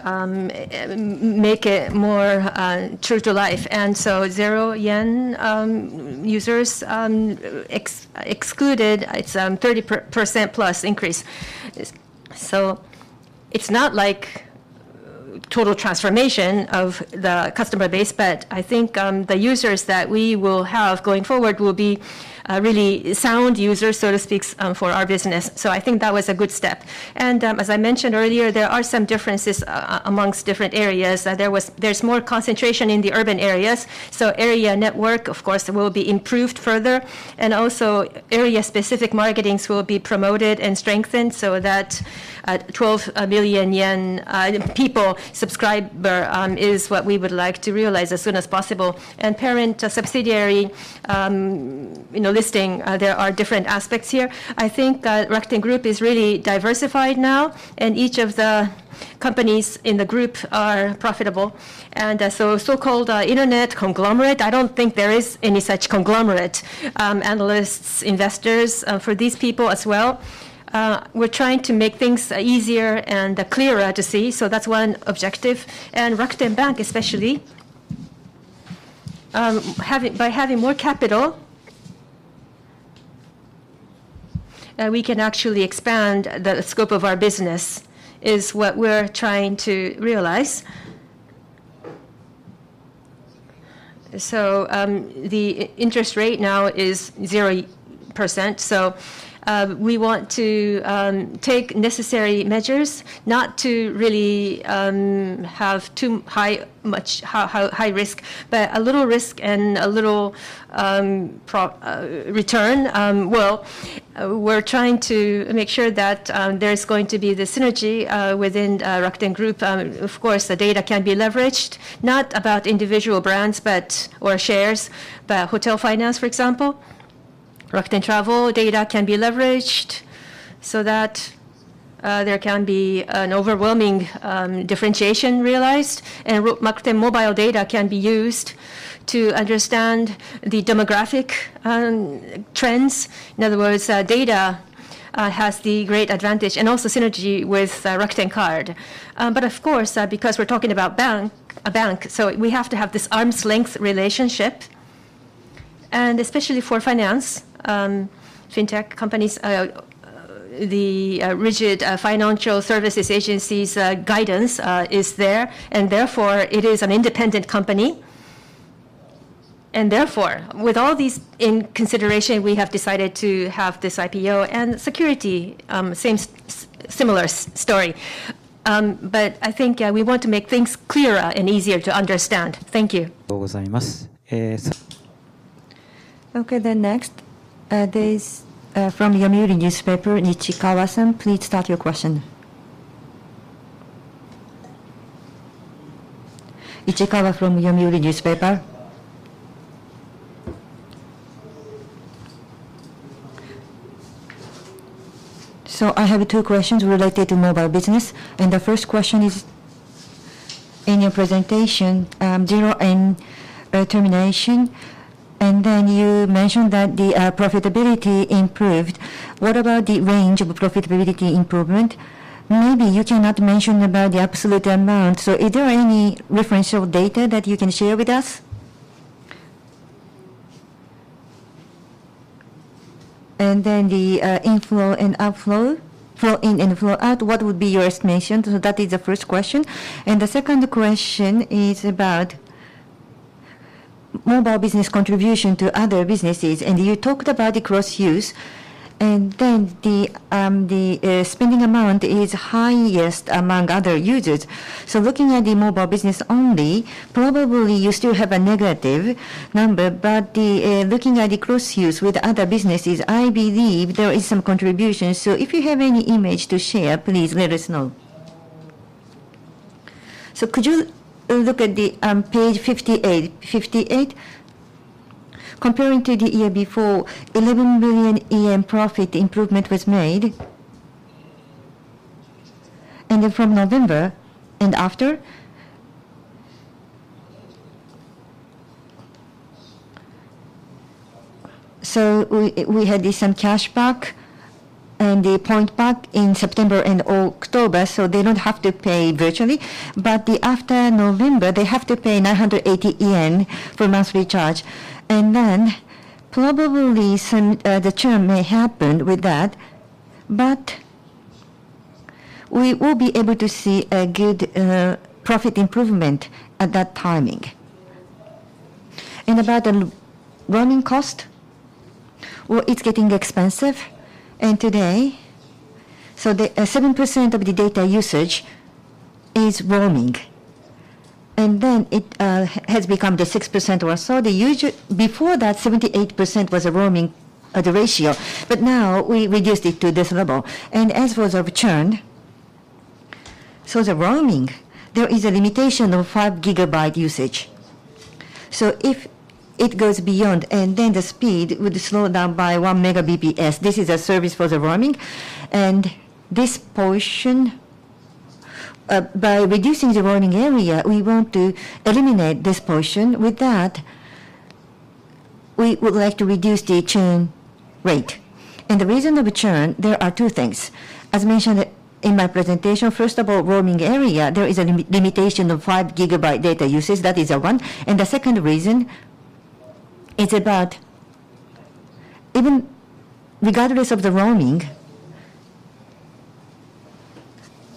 make it more true to life. Zero-yen users excluded, it's 30% plus increase. It's not like total transformation of the customer base, but I think the users that we will have going forward will be really sound users, so to speak, for our business. I think that was a good step. As I mentioned earlier, there are some differences among different areas. There's more concentration in the urban areas, so area network of course will be improved further. Also area-specific marketings will be promoted and strengthened so that 12 billion yen per subscriber is what we would like to realize as soon as possible. Parent subsidiary, you know, listing, there are different aspects here. I think Rakuten Group is really diversified now, and each of the companies in the group are profitable. So-called internet conglomerate, I don't think there is any such conglomerate. Analysts, investors, for these people as well, we're trying to make things easier and clearer to see, so that's one objective. Rakuten Bank especially, by having more capital, we can actually expand the scope of our business, is what we're trying to realize. The interest rate now is 0%, we want to take necessary measures not to really have too high risk, but a little risk and a little return. Well, we're trying to make sure that there's going to be the synergy within Rakuten Group. Of course, the data can be leveraged, not about individual brands or shares, but hotel finance, for example. Rakuten Travel data can be leveraged so that there can be an overwhelming differentiation realized. Rakuten Mobile data can be used to understand the demographic trends. In other words, data has the great advantage and also synergy with Rakuten Card. But of course, because we're talking about a bank, so we have to have this arm's length relationship. Especially for finance, fintech companies, the rigid financial services agencies' guidance is there. Therefore, it is an independent company. Therefore, with all these in consideration, we have decided to have this IPO and securities, similar story. But I think we want to make things clearer and easier to understand. Thank you. Okay. Next, there's from Yomiuri Shimbun, Nishikawa-san, please start your question. Nishikawa from Yomiuri Shimbun. I have two questions related to mobile business. The first question is, in your presentation, zero-yen termination, and then you mentioned that the profitability improved. What about the range of profitability improvement? Maybe you cannot mention about the absolute amount, so is there any referential data that you can share with us? Then the inflow and outflow, flow in and flow out, what would be your estimation? That is the first question. The second question is about mobile business contribution to other businesses. You talked about the cross-use, and then the spending amount is highest among other users. Looking at the mobile business only, probably you still have a negative number. Looking at the cross-use with other businesses, I believe there is some contribution. If you have any image to share, please let us know. Could you look at the page 58? 58. Comparing to the year before, 11 billion profit improvement was made. From November and after. We had the same cash back and the point back in September and October, so they don't have to pay virtually. After November, they have to pay 980 yen for monthly charge. Probably some the churn may happen with that, but we will be able to see a good profit improvement at that timing. About the roaming cost, well, it's getting expensive. Today, the 7% of the data usage is roaming. It has become the 6% or so. Before that, 78% was roaming, the ratio. Now we reduced it to this level. As for the churn, the roaming, there is a limitation of 5 GB usage. If it goes beyond, and then the speed would slow down by 1 Mbps. This is a service for the roaming. This portion, by reducing the roaming area, we want to eliminate this portion. With that, we would like to reduce the churn rate. The reason of churn, there are two things. As mentioned in my presentation, first of all, roaming area, there is a limitation of 5 GB data usage. That is, one. The second reason is about even regardless of the roaming,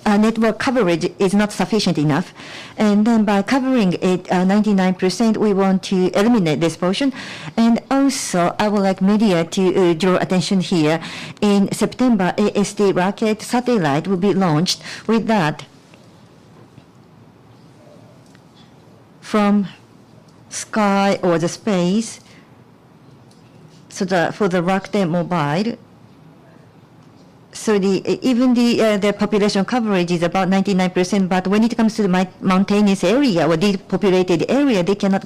our network coverage is not sufficient enough. By covering it, 99%, we want to eliminate this portion. I would like media to draw attention here. In September, AST SpaceMobile satellite will be launched. With that, from the sky or the space, for Rakuten Mobile. Their population coverage is about 99%, but when it comes to the mountainous area or depopulated area, they cannot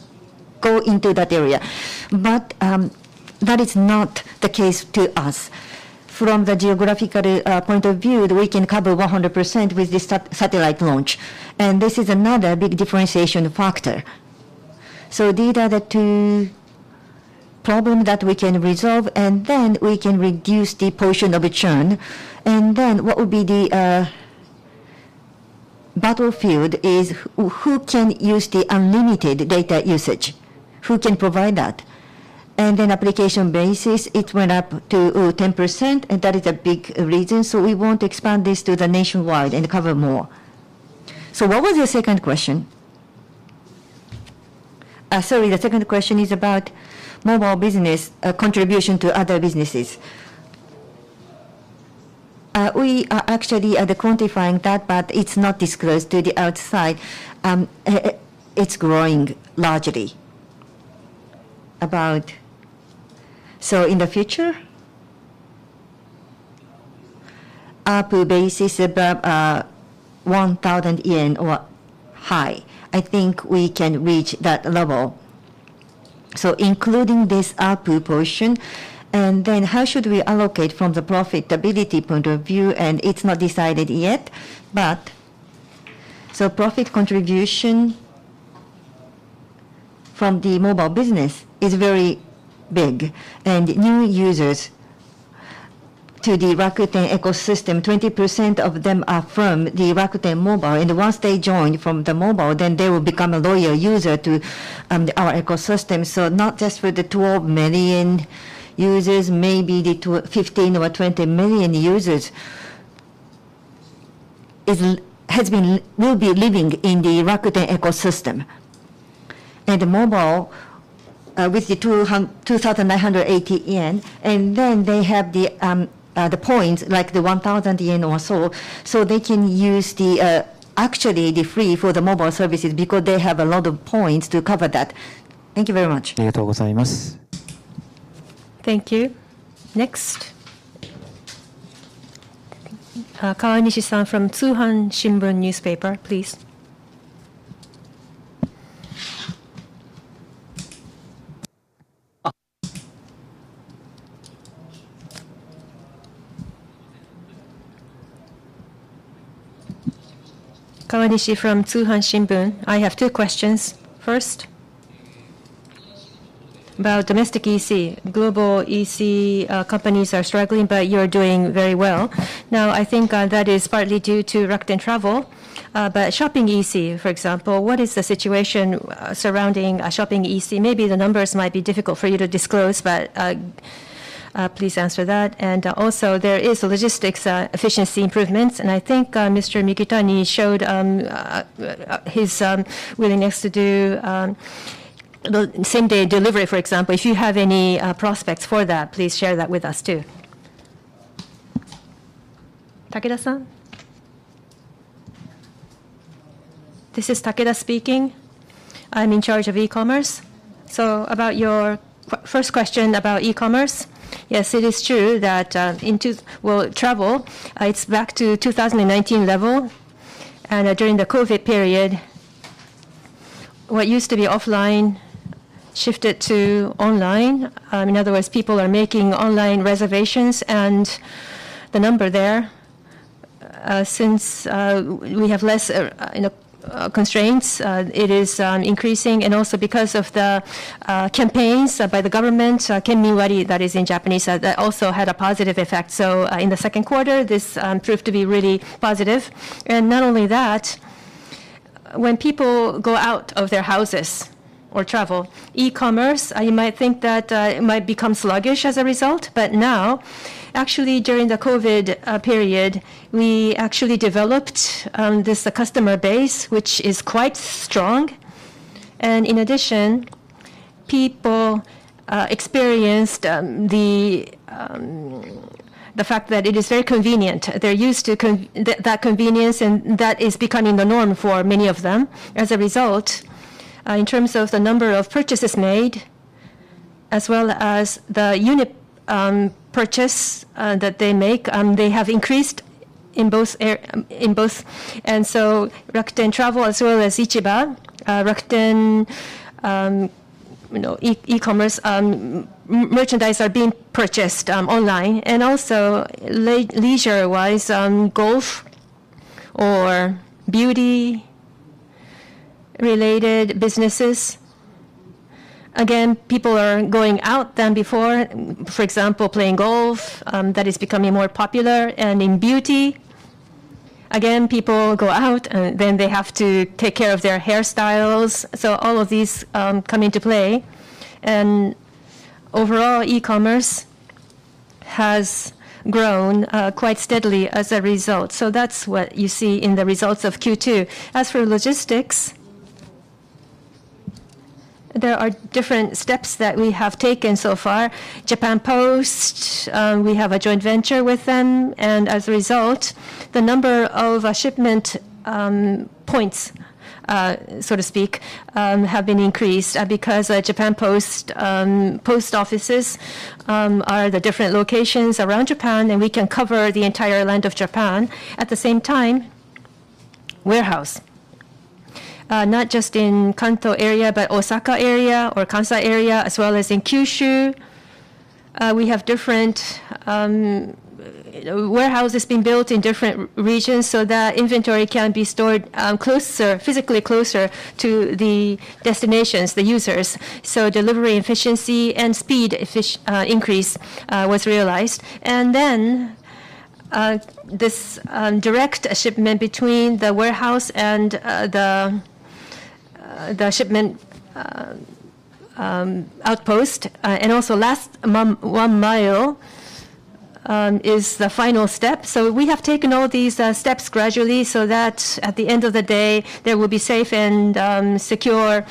go into that area. That is not the case to us. From the geographical point of view, we can cover 100% with this satellite launch. This is another big differentiation factor. These are the two problem that we can resolve, and then we can reduce the portion of the churn. What would be the battlefield is who can use the unlimited data usage? Who can provide that? Application basis, it went up to 10%, and that is a big reason. We want to expand this to the nationwide and cover more. What was your second question? Sorry. The second question is about mobile business, contribution to other businesses. We are actually quantifying that, but it's not disclosed to the outside. It's growing largely. In the future? ARPU basis above 1,000 yen or high. I think we can reach that level. Including this ARPU portion, and then how should we allocate from the profitability point of view, and it's not decided yet. Profit contribution from the mobile business is very big. New users to the Rakuten ecosystem, 20% of them are from the Rakuten Mobile. Once they join from the mobile, then they will become a loyal user to our ecosystem. Not just for the 12 million users, maybe the 15 or 20 million users will be living in the Rakuten ecosystem. Mobile, with the 2,980 yen, and then they have the points, like the 1,000 yen or so they can use actually the free for the mobile services because they have a lot of points to cover that. Thank you very much. Thank you. Next. Kawanishi-san from Tsūhan Shimbun Newspaper, please. Kawanishi from Tsūhan Shimbun. I have two questions. First, about Domestic EC. Global EC companies are struggling, but you're doing very well. Now, I think that is partly due to Rakuten Travel. But shopping EC, for example, what is the situation surrounding a shopping EC? Maybe the numbers might be difficult for you to disclose, but please answer that. Also, there is logistics efficiency improvements, and I think Mr. Mikitani showed his willingness to do same-day delivery, for example. If you have any prospects for that, please share that with us too. Takeda-san? This is Takeda speaking. I'm in charge of e-commerce. About your first question about e-commerce, yes, it is true that, in travel, it's back to 2019 level. During the COVID period, what used to be offline shifted to online. In other words, people are making online reservations. The number there, since we have less, you know, constraints, it is increasing. Also because of the campaigns by the government. Kenmin wari, that is in Japanese, that also had a positive effect. In the second quarter, this proved to be really positive. Not only that, when people go out of their houses or travel, e-commerce, you might think that it might become sluggish as a result. Now, actually, during the COVID-19 period, we actually developed this customer base, which is quite strong. In addition, people experienced the fact that it is very convenient. They're used to that convenience, and that is becoming the norm for many of them. As a result, in terms of the number of purchases made as well as the unit purchase that they make, they have increased in both. Rakuten Travel as well as Rakuten Ichiba, Rakuten, you know, e-commerce merchandise are being purchased online. Leisure-wise, golf or beauty-related businesses. Again, people are going out more than before. For example, playing golf, that is becoming more popular. In beauty, again, people go out, then they have to take care of their hairstyles. All of these come into play. Overall, e-commerce has grown quite steadily as a result. That's what you see in the results of Q2. As for logistics, there are different steps that we have taken so far. Japan Post, we have a joint venture with them. As a result, the number of shipment points, so to speak, have been increased. Because Japan Post post offices are the different locations around Japan, and we can cover the entire land of Japan. At the same time, warehouse. Not just in Kanto area, but Osaka area or Kansai area, as well as in Kyushu. We have different warehouses being built in different regions so that inventory can be stored closer, physically closer to the destinations, the users. Delivery efficiency and speed efficiency increase was realized. This direct shipment between the warehouse and the shipment outpost. Last one mile is the final step. We have taken all these steps gradually so that at the end of the day, there will be safe and secure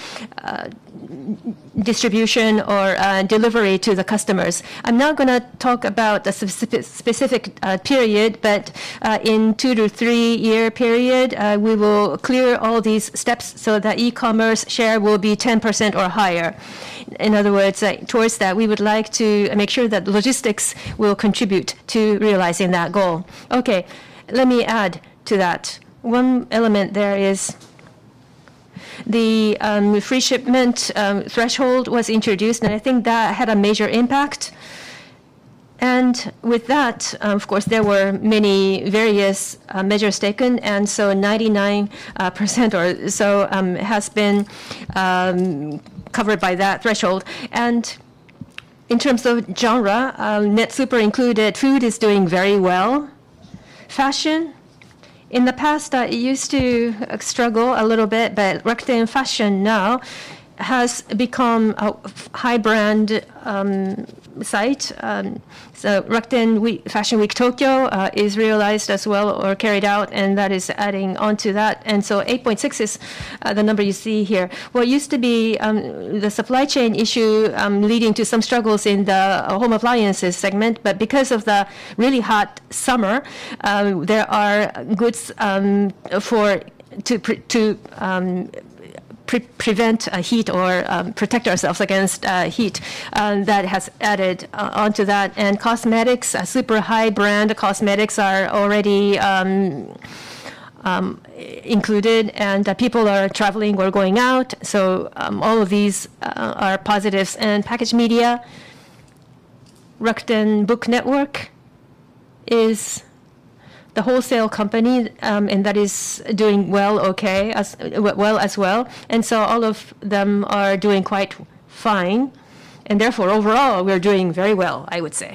distribution or delivery to the customers. I'm not gonna talk about the specific period, but in 2- to 3-year period, we will clear all these steps so that e-commerce share will be 10% or higher. In other words, like towards that, we would like to make sure that logistics will contribute to realizing that goal. Okay. Let me add to that. One element there is the free shipment threshold was introduced, and I think that had a major impact. With that, of course, there were many various measures taken, and so 99% or so has been covered by that threshold. In terms of genre, Netsuper included, food is doing very well. Fashion, in the past, it used to struggle a little bit, but Rakuten Fashion now has become a high brand site. Rakuten Fashion Week Tokyo is realized as well or carried out, and that is adding on to that. Eight point six is the number you see here. What used to be the supply chain issue leading to some struggles in the home appliances segment. Because of the really hot summer, there are goods for to prevent heat or protect ourselves against heat that has added on to that. Cosmetics, super high brand cosmetics are already included. People are traveling or going out, so all of these are positives. Packaged media, Rakuten Books Network is the wholesale company, and that is doing well, okay, as well. All of them are doing quite fine. Therefore, overall, we're doing very well, I would say.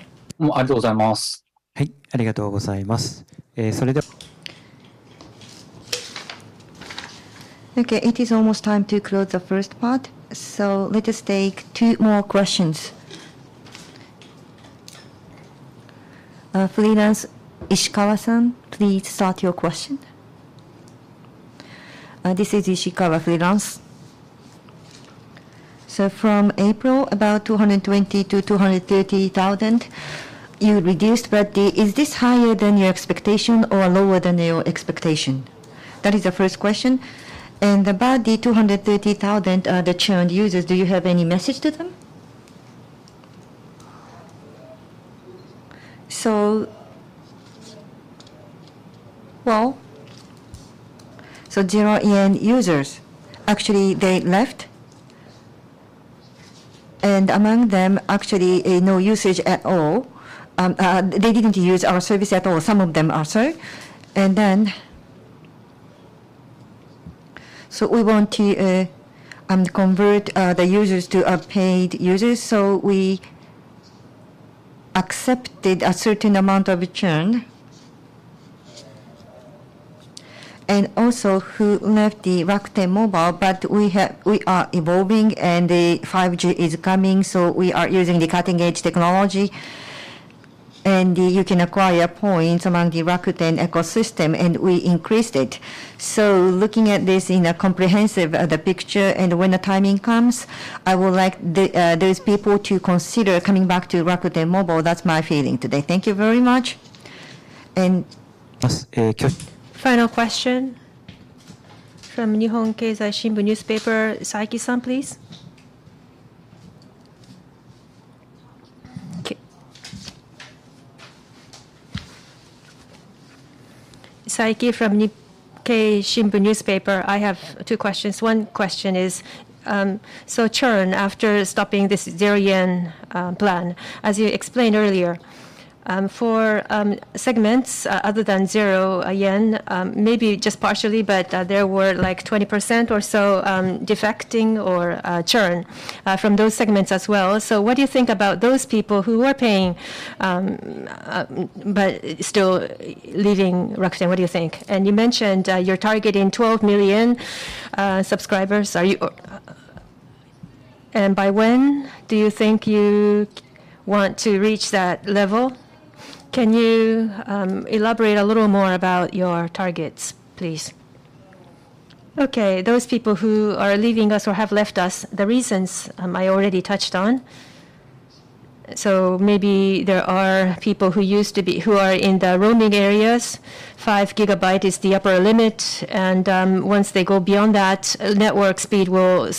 Okay. It is almost time to close the first part, so let us take two more questions. Freelance Ishikawa-san, please start your question. This is Ishikawa, freelance. From April, about 220,000-230,000 you reduced, but is this higher than your expectation or lower than your expectation? That is the first question. About the 230,000, the churned users, do you have any message to them? Zero-yen users, actually they left. Among them, actually, no usage at all. They didn't use our service at all, some of them also. Then, we want to convert the users to paid users, so we accepted a certain amount of churn. Also who left the Rakuten Mobile, but we are evolving, and the 5G is coming, so we are using the cutting-edge technology. You can acquire points among the Rakuten ecosystem, and we increased it. Looking at this in a comprehensive, the picture, and when the timing comes, I would like the, those people to consider coming back to Rakuten Mobile. That's my feeling today. Thank you very much. Final question from Nihon Keizai Shimbun Newspaper, Saiki-san, please. Okay. Saiki from Nikkei Shimbun. I have two questions. One question is, so churn after stopping this zero-yen plan. As you explained earlier, for segments other than zero-yen, maybe just partially, but there were like 20% or so defecting or churn from those segments as well. What do you think about those people who are paying but still leaving Rakuten? What do you think? You mentioned you're targeting 12 million subscribers. By when do you think you want to reach that level? Can you elaborate a little more about your targets, please? Okay. Those people who are leaving us or have left us, the reasons I already touched on. Maybe there are people who are in the roaming areas. 5 GB is the upper limit, and once they go beyond that, network speed will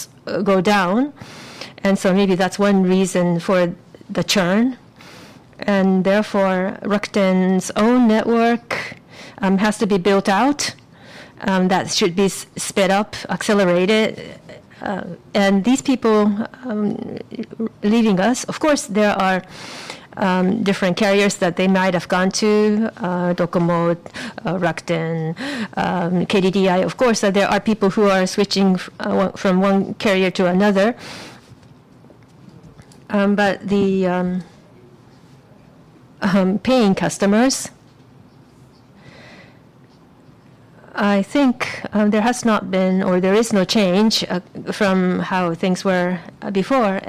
go down. Maybe that's one reason for the churn. Therefore, Rakuten's own network has to be built out. That should be sped up, accelerated. These people leaving us, of course, there are different carriers that they might have gone to, DOCOMO, Rakuten, KDDI. Of course, there are people who are switching from one carrier to another. The paying customers, I think, there has not been or there is no change from how things were before.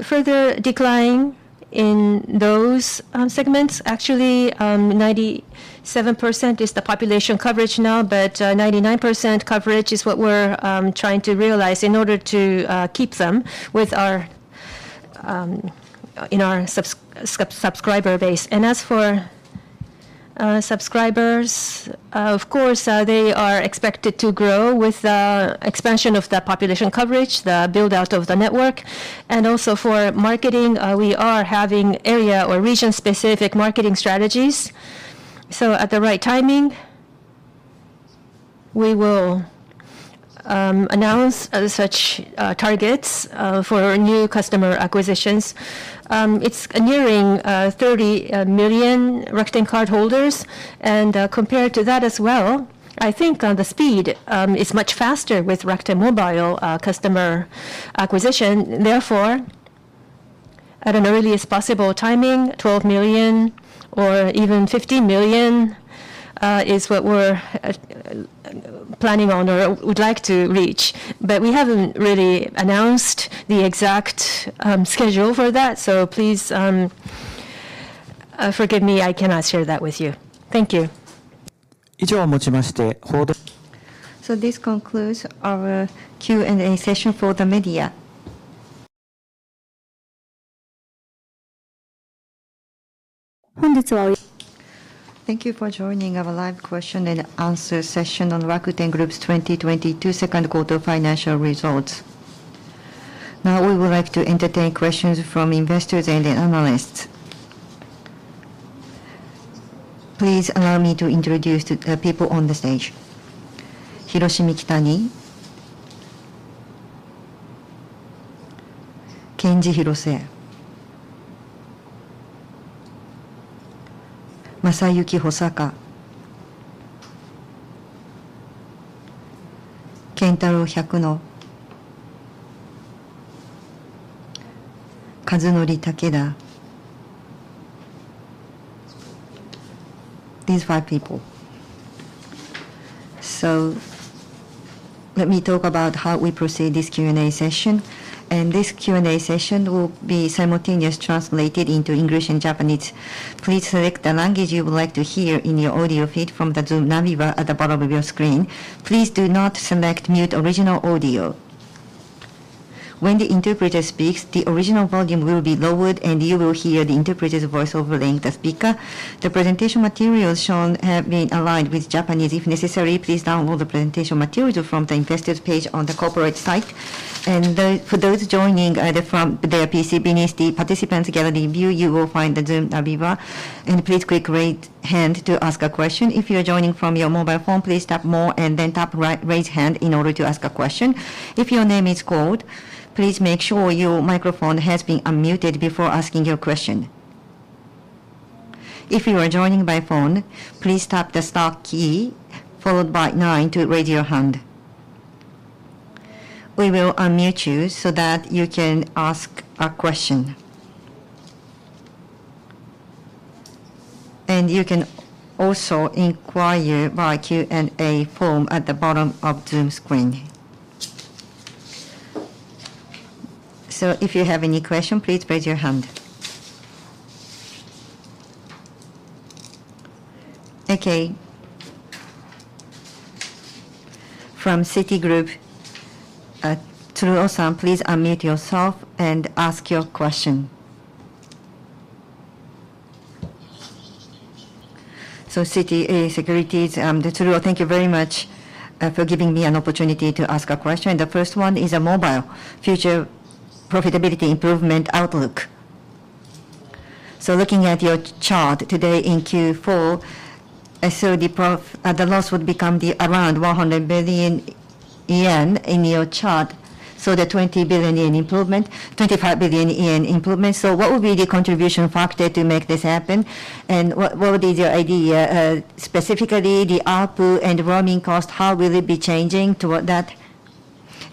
Further decline in those segments, actually, 97% is the population coverage now, but 99% coverage is what we're trying to realize in order to keep them with our subscriber base. As for subscribers, of course, they are expected to grow with the expansion of the population coverage, the build-out of the network. Also for marketing, we are having area or region-specific marketing strategies. At the right timing, we will announce such targets for new customer acquisitions. It's nearing 30 million Rakuten Cardholders, and compared to that as well, I think the speed is much faster with Rakuten Mobile customer acquisition. Therefore, at an earliest possible timing, 12 million or even 15 million is what we're planning on or would like to reach. But we haven't really announced the exact schedule for that. So please forgive me, I cannot share that with you. Thank you. This concludes our Q&A session for the media. Thank you for joining our live question and answer session on Rakuten Group's 2022 Second Quarter Financial Results. Now we would like to entertain questions from investors and the analysts. Please allow me to introduce the people on the stage. Hiroshi Mikitani, Kenji Hirose, Masayuki Hosaka, Kentaro Hyakuno, Kazunori Takeda. These five people. Let me talk about how we proceed this Q&A session, and this Q&A session will be simultaneously translated into English and Japanese. Please select the language you would like to hear in your audio feed from the Zoom nav bar at the bottom of your screen. Please do not select Mute Original Audio. When the interpreter speaks, the original volume will be lowered, and you will hear the interpreter's voice overlaying the speaker. The presentation material shown have been aligned with Japanese. If necessary, please download the presentation material from the Investors page on the corporate site. For those joining, either from their PC beneath the Participant Gallery view, you will find the Zoom tab viewer. Please click Raise Hand to ask a question. If you are joining from your mobile phone, please tap More, and then tap Raise Hand in order to ask a question. If your name is called, please make sure your microphone has been unmuted before asking your question. If you are joining by phone, please tap the star key followed by nine to raise your hand. We will unmute you so that you can ask a question. You can also inquire by Q&A form at the bottom of Zoom screen. If you have any question, please raise your hand. Okay. From Citigroup, Tsuruo-san, please unmute yourself and ask your question. Citi Securities, Tsuruo. Thank you very much for giving me an opportunity to ask a question. The first one is a mobile future profitability improvement outlook. Looking at your chart today in Q4, the loss would become to around 100 billion yen in your chart, the 20 billion yen improvement, 25 billion yen improvement. What would be the contribution factor to make this happen? What would be the idea, specifically the ARPU and roaming cost, how will it be changing toward that?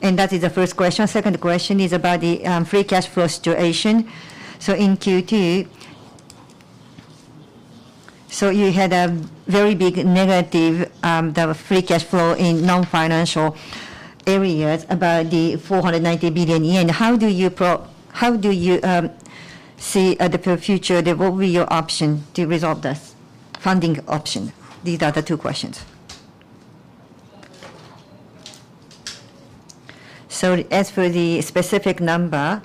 That is the first question. Second question is about the free cash flow situation. In Q2, you had a very big negative free cash flow in non-financial areas, about 490 billion yen. How do you see the future? What will be your option to resolve this funding option? These are the two questions. As for the specific number,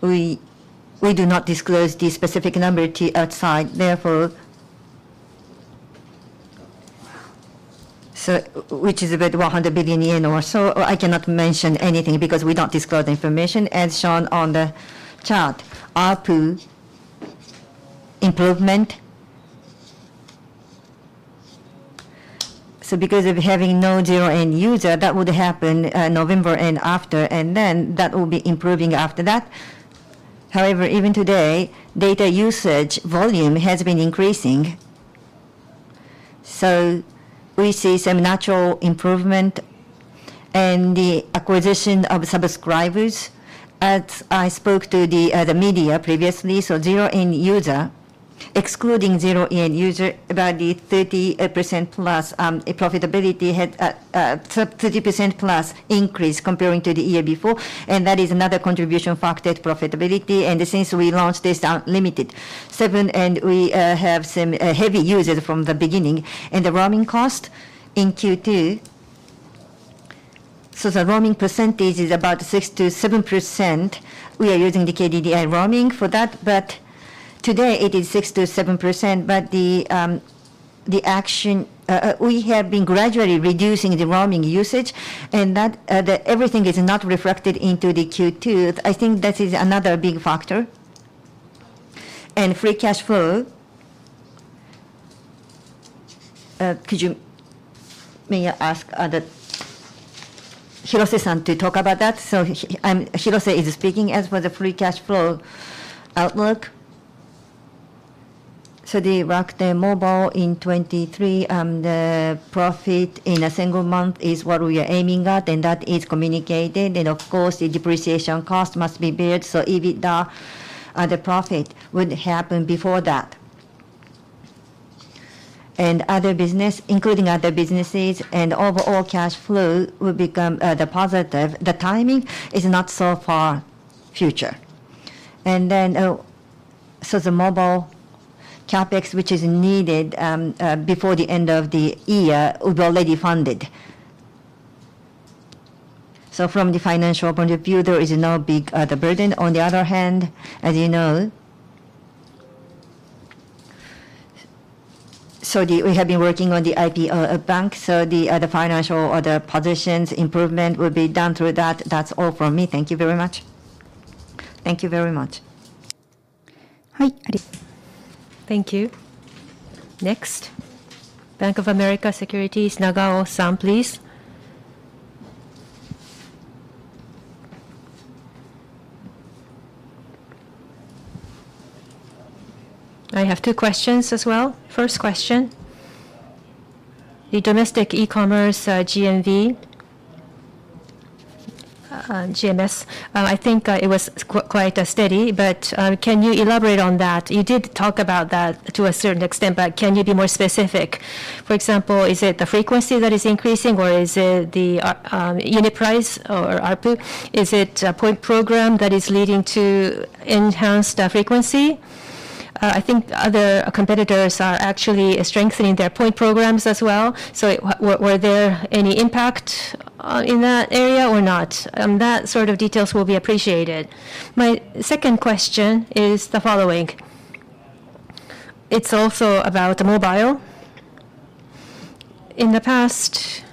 we do not disclose the specific number to outside. Which is about 100 billion yen or so. I cannot mention anything because we don't disclose the information. As shown on the chart, ARPU improvement. Because of having no zero-yen user, that would happen November and after, and then that will be improving after that. However, even today, data usage volume has been increasing. We see some natural improvement in the acquisition of subscribers. As I spoke to the media previously, zero-yen user, excluding zero-yen user, about the 30% plus, profitability had 30% plus increase comparing to the year before. That is another contribution factor to profitability. Since we launched this UN-LIMIT VII, we have some heavy users from the beginning. The roaming cost in Q2, the roaming percentage is about 6%-7%. We are using the KDDI roaming for that. Today, it is 6%-7%. The action we have been gradually reducing the roaming usage and that everything is not reflected into the Q2. I think that is another big factor. Free cash flow, may I ask Hirose-san to talk about that? Hirose is speaking. As for the free cash flow outlook, the Rakuten Mobile in 2023, the profit in a single month is what we are aiming at, and that is communicated. Of course, the depreciation cost must be built. EBITDA, the profit would happen before that. Other business, including other businesses and overall cash flow will become the positive. The timing is not so far future. The mobile CapEx, which is needed before the end of the year, we've already funded. From the financial point of view, there is no big burden. On the other hand, as you know. We have been working on the IPO bank, the financial position improvement will be done through that. That's all from me. Thank you very much. Thank you very much. Thank you. Next, Bank of America Securities, Nagao-san, please. I have two questions as well. First question, the domestic e-commerce, GMV, GMS, I think, it was quite steady, but can you elaborate on that? You did talk about that to a certain extent, but can you be more specific? For example, is it the frequency that is increasing, or is it the unit price or ARPU? Is it a point program that is leading to enhanced frequency? I think other competitors are actually strengthening their point programs as well. Were there any impact in that area or not? That sort of details will be appreciated. My second question is the following. It's also about mobile. In the past,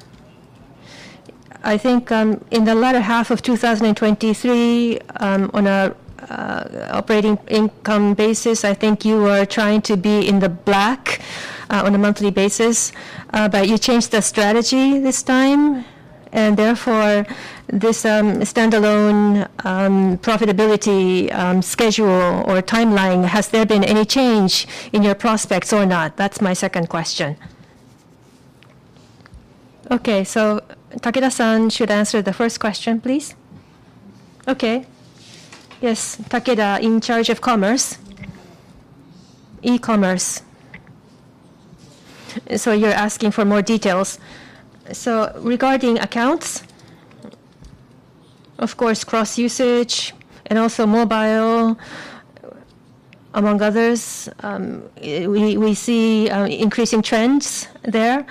I think, in the latter half of 2023, on a operating income basis, I think you were trying to be in the black on a monthly basis. You changed the strategy this time, and therefore this standalone profitability schedule or timeline, has there been any change in your prospects or not? That's my second question. Okay. Takeda-san should answer the first question, please. Okay. Yes. Takeda in charge of commerce. E-commerce. You're asking for more details. Regarding accounts, of course, cross usage and also mobile, among others, we see increasing trends there.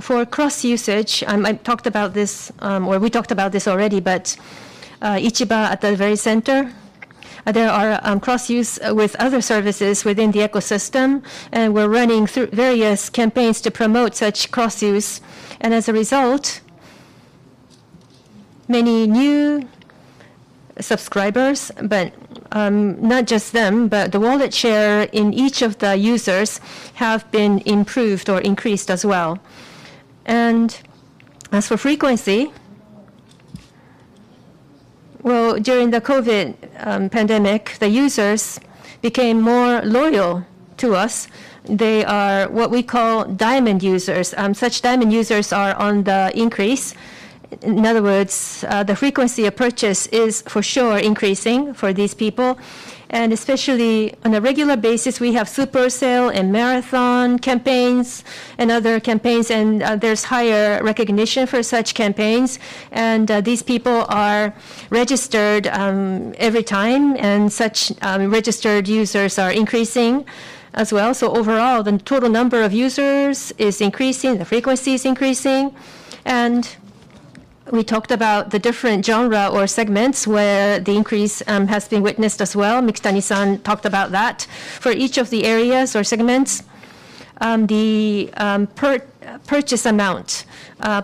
For cross usage, I talked about this, or we talked about this already, but Ichiba at the very center. There are cross use with other services within the ecosystem, and we're running through various campaigns to promote such cross use. As a result, many new subscribers, but not just them, but the wallet share in each of the users have been improved or increased as well. As for frequency, well, during the COVID pandemic, the users became more loyal to us. They are what we call diamond users. Such diamond users are on the increase. In other words, the frequency of purchase is for sure increasing for these people. Especially on a regular basis, we have super sale and marathon campaigns and other campaigns, and there's higher recognition for such campaigns. These people are registered every time, and such registered users are increasing as well. Overall, the total number of users is increasing, the frequency is increasing. We talked about the different genre or segments where the increase has been witnessed as well. Mikitani-san talked about that. For each of the areas or segments, the purchase amount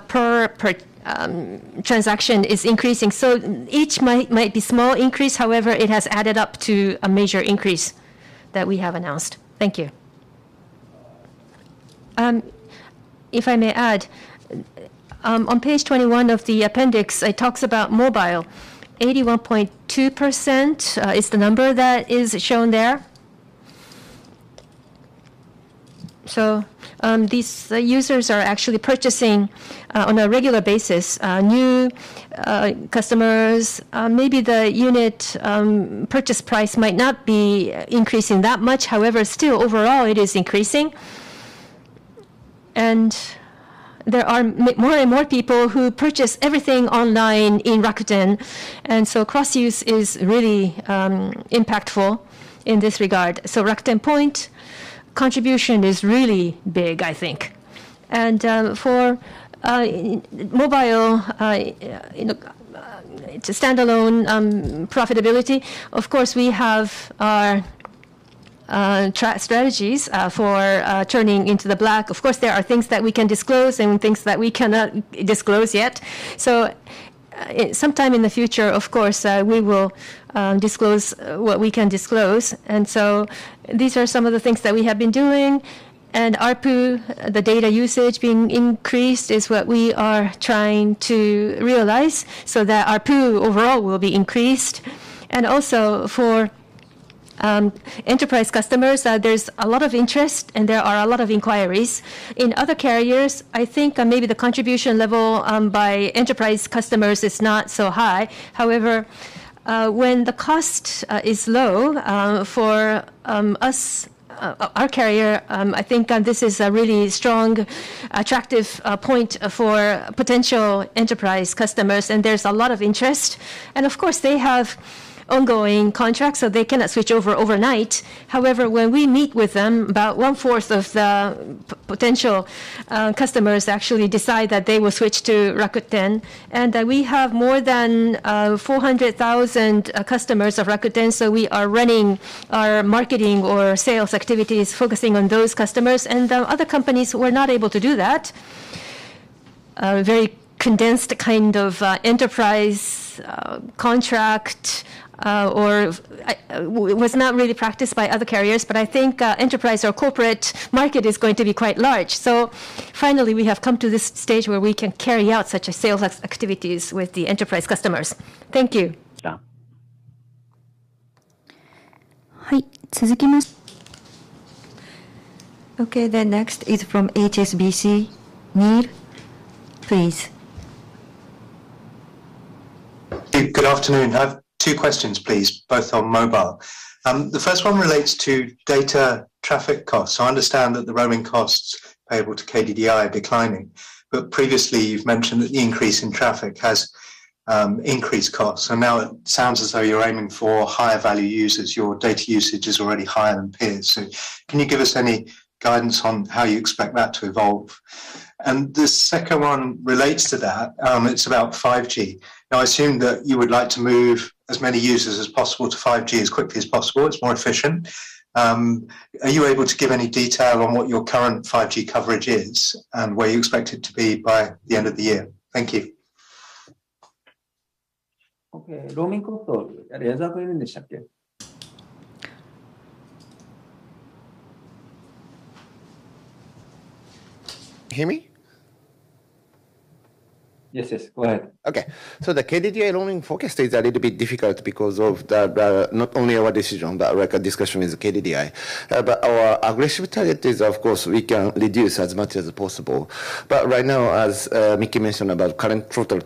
per transaction is increasing. Each might be small increase. However, it has added up to a major increase that we have announced. Thank you. If I may add, on page 21 of the appendix, it talks about mobile. 81.2% is the number that is shown there. These users are actually purchasing on a regular basis. New customers, maybe the unit purchase price might not be increasing that much. However, still overall, it is increasing. There are more and more people who purchase everything online in Rakuten, and so cross-use is really impactful in this regard. Rakuten Point contribution is really big, I think. For mobile to standalone profitability, of course, we have our strategies for turning into the black. Of course, there are things that we can disclose and things that we cannot disclose yet. Sometime in the future, of course, we will disclose what we can disclose. These are some of the things that we have been doing. ARPU, the data usage being increased is what we are trying to realize so that ARPU overall will be increased. For enterprise customers, there's a lot of interest and there are a lot of inquiries. In other carriers, I think, maybe the contribution level by enterprise customers is not so high. However, when the cost is low for us, our carrier, I think, this is a really strong, attractive point for potential enterprise customers, and there's a lot of interest. Of course, they have ongoing contracts, so they cannot switch over overnight. However, when we meet with them, about one-fourth of the potential customers actually decide that they will switch to Rakuten. We have more than 400,000 customers of Rakuten, so we are running our marketing or sales activities focusing on those customers. The other companies were not able to do that, very condensed kind of enterprise contract, or it was not really practiced by other carriers. I think enterprise or corporate market is going to be quite large. Finally, we have come to this stage where we can carry out such sales activities with the enterprise customers. Thank you. Okay, next is from HSBC. Neale, please. Good afternoon. I have two questions, please, both on mobile. The first one relates to data traffic costs. I understand that the roaming costs payable to KDDI are declining. Previously you've mentioned that the increase in traffic has increased costs. Now it sounds as though you're aiming for higher value users. Your data usage is already higher than peers. Can you give us any guidance on how you expect that to evolve? The second one relates to that, it's about 5G. Now, I assume that you would like to move as many users as possible to 5G as quickly as possible. It's more efficient. Are you able to give any detail on what your current 5G coverage is, and where you expect it to be by the end of the year? Thank you. Hear me? Yes, yes. Go ahead. Okay. The KDDI roaming forecast is a little bit difficult because of not only our decision, but like a discussion with KDDI. Our aggressive target is, of course, we can reduce as much as possible. Right now, as Miki mentioned about current total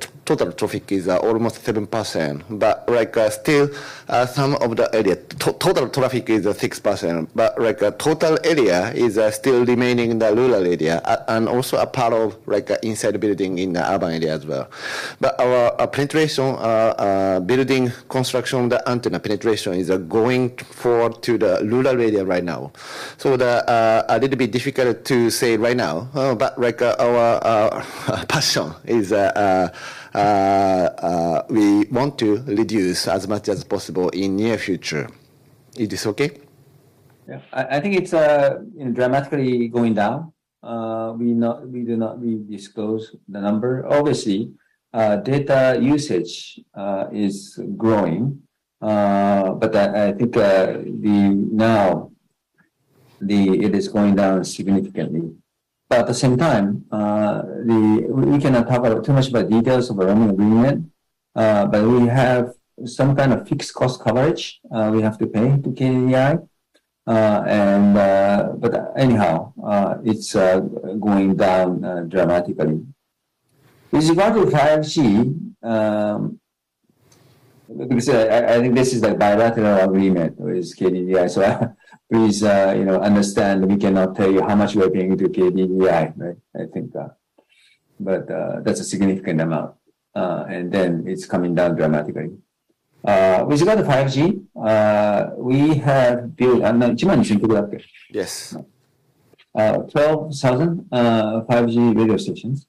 traffic is almost 7%. Like still some of the area total traffic is 6%, total area is still remaining in the rural area and also a part of like inside building in the urban area as well. Our penetration building construction, the antenna penetration is going forward to the rural area right now. A little bit difficult to say right now, but like, our passion is we want to reduce as much as possible in near future. It is okay? Yeah. I think it's, you know, dramatically going down. We do not re-disclose the number. Obviously, data usage is growing. I think the now, the, it is going down significantly. At the same time, we cannot talk about too much about details of our roaming agreement, but we have some kind of fixed cost coverage, we have to pay to KDDI. Anyhow, it's going down dramatically. With regard to 5G, like we said, I think this is a bilateral agreement with KDDI, so please, you know, understand we cannot tell you how much we are paying to KDDI, right? I think that's a significant amount. Then it's coming down dramatically. With regard to 5G, we have built— Yes. 12,000 5G radio stations.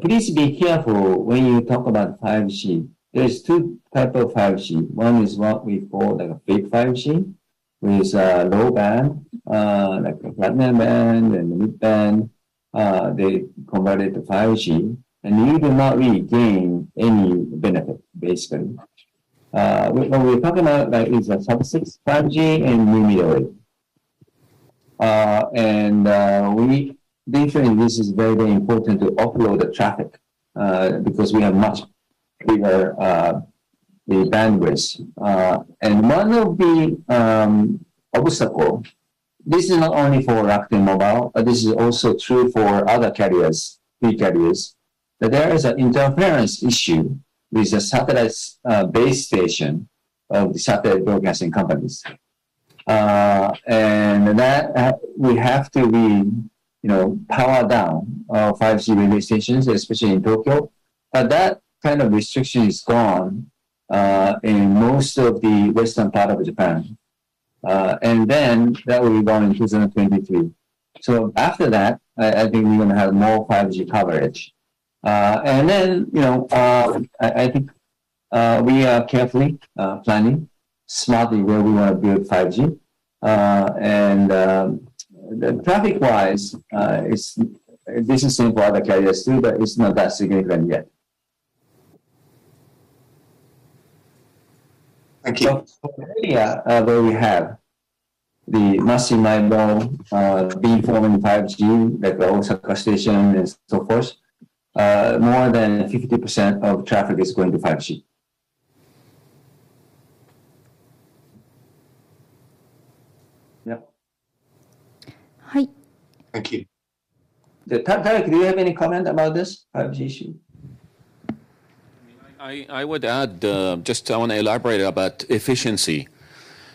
Please be careful when you talk about 5G. There is two type of 5G. One is what we call, like, a big 5G, with low band, like a platinum band and midband, they converted to 5G, and we do not really gain any benefit, basically. When we're talking about, like, sub-6 5G and mmWave. We believe that this is very, very important to offload the traffic, because we have much bigger bandwidth. One of the obstacle, this is not only for Rakuten Mobile, but this is also true for other carriers, key carriers, that there is an interference issue with the satellites base station of the satellite broadcasting companies. You know, we have to power down our 5G radio stations, especially in Tokyo. That kind of restriction is gone in most of the western part of Japan. That will be gone in June of 2023. After that, I think we're gonna have more 5G coverage. You know, I think we are carefully planning smartly where we wanna build 5G. Traffic-wise, it's the same for other carriers too, but it's not that significant yet. Thank you. The area where we have the Massive MIMO being formed in 5G, like our own sub-6 station and so forth, more than 50% of traffic is going to 5G. Yeah. Thank you. Tareq, do you have any comment about this 5G issue? I would add, just I wanna elaborate about efficiency.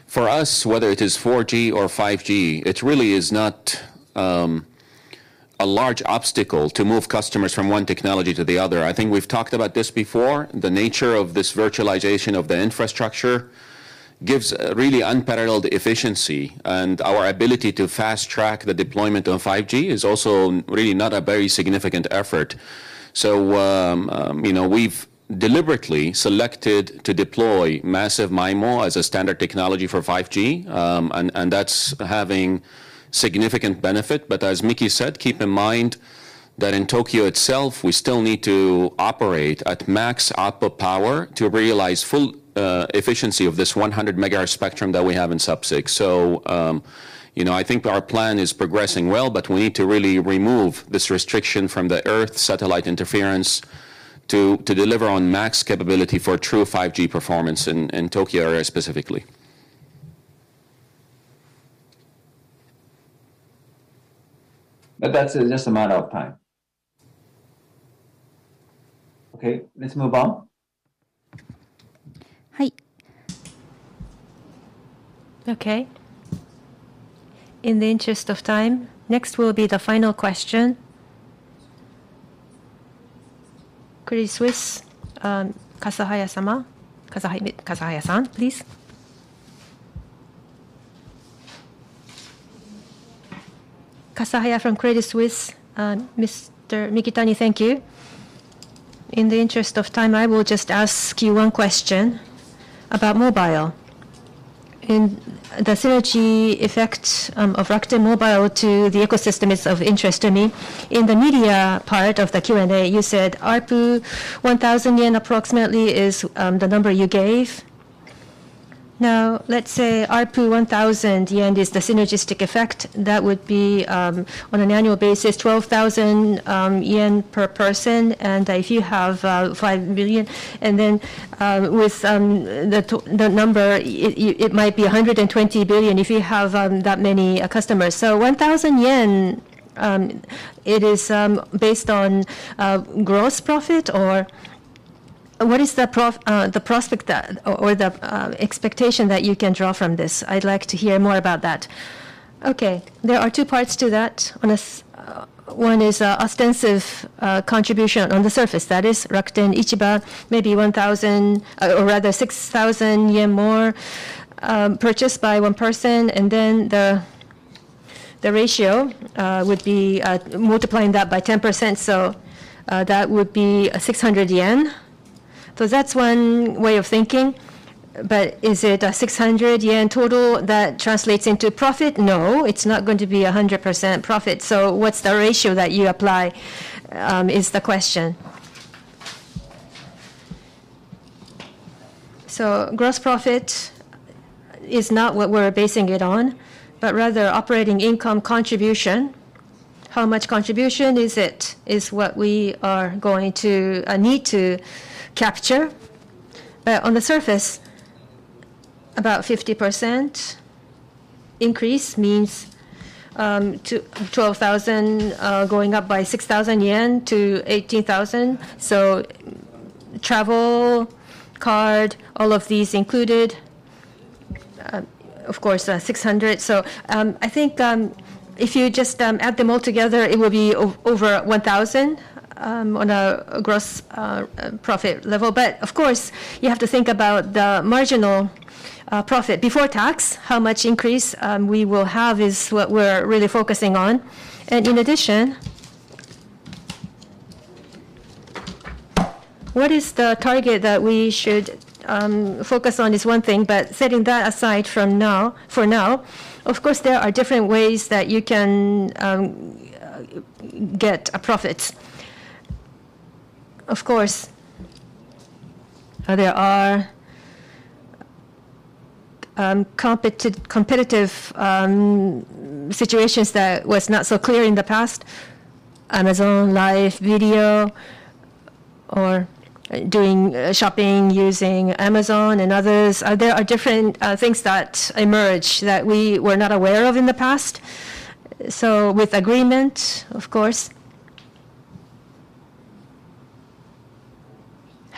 For us, whether it is 4G or 5G, it really is not a large obstacle to move customers from one technology to the other. I think we've talked about this before. The nature of this virtualization of the infrastructure gives really unparalleled efficiency, and our ability to fast-track the deployment on 5G is also really not a very significant effort. You know, we've deliberately selected to deploy Massive MIMO as a standard technology for 5G, and that's having significant benefit. As Miki said, keep in mind that in Tokyo itself, we still need to operate at max output power to realize full efficiency of this 100 megahertz spectrum that we have in Sub-6. You know, I think our plan is progressing well, but we need to really remove this restriction from the earth satellite interference to deliver on max capability for true 5G performance in Tokyo area specifically. That's just a matter of time. Okay, let's move on. Okay, in the interest of time, next will be the final question. Credit Suisse, Kazahaya-sama. Kazahaya-san, please. Kazahaya from Credit Suisse. Mr. Mikitani, thank you. In the interest of time, I will just ask you one question about mobile. In the synergy effect of Rakuten Mobile to the ecosystem is of interest to me. In the media part of the Q&A, you said ARPU 1,000 yen approximately is the number you gave. Now, let's say ARPU 1,000 yen is the synergistic effect. That would be on an annual basis 12,000 yen per person, and if you have 5 billion. Then with the number, it might be 120 billion if you have that many customers. 1,000 yen, it is based on gross profit, or what is the prospect, or the expectation that you can draw from this? I'd like to hear more about that. Okay. There are two parts to that. One is ostensible contribution on the surface. That is Rakuten Ichiba, maybe 1,000, or rather 6,000 yen more purchased by one person. And then the ratio would be multiplying that by 10%, that would be 600 yen. That's one way of thinking, but is it a 600 yen total that translates into profit? No, it's not going to be a 100% profit. What's the ratio that you apply is the question. Gross profit is not what we're basing it on, but rather operating income contribution. How much contribution is it, is what we are going to need to capture. On the surface, about 50% increase means 12,000 going up by 6,000 yen to 18,000. Travel, card, all of these included, of course, 600. I think, if you just add them all together, it will be over 1,000 on a gross profit level. But of course, you have to think about the marginal profit before tax. How much increase we will have is what we're really focusing on. In addition, what is the target that we should focus on is one thing. Setting that aside for now, for now, of course there are different ways that you can get a profit. Of course, there are competitive situations that was not so clear in the past. Amazon Live video or doing shopping using Amazon and others. There are different things that emerge that we were not aware of in the past. With agreement, of course,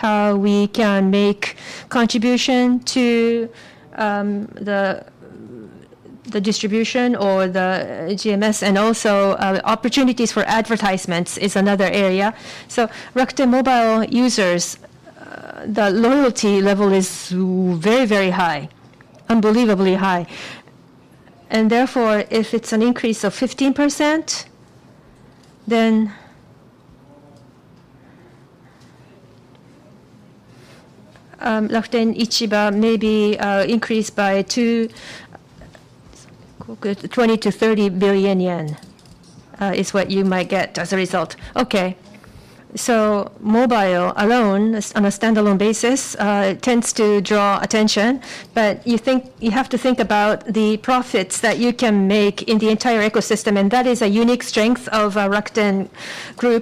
how we can make contribution to the distribution or the GMS, and also opportunities for advertisements is another area. Rakuten Mobile users, the loyalty level is very high. Unbelievably high. Therefore, if it's an increase of 15%, then Rakuten Ichiba may be increased by 20 billion-30 billion yen is what you might get as a result. Okay. Mobile alone, on a standalone basis, tends to draw attention. You think, you have to think about the profits that you can make in the entire ecosystem, and that is a unique strength of Rakuten Group.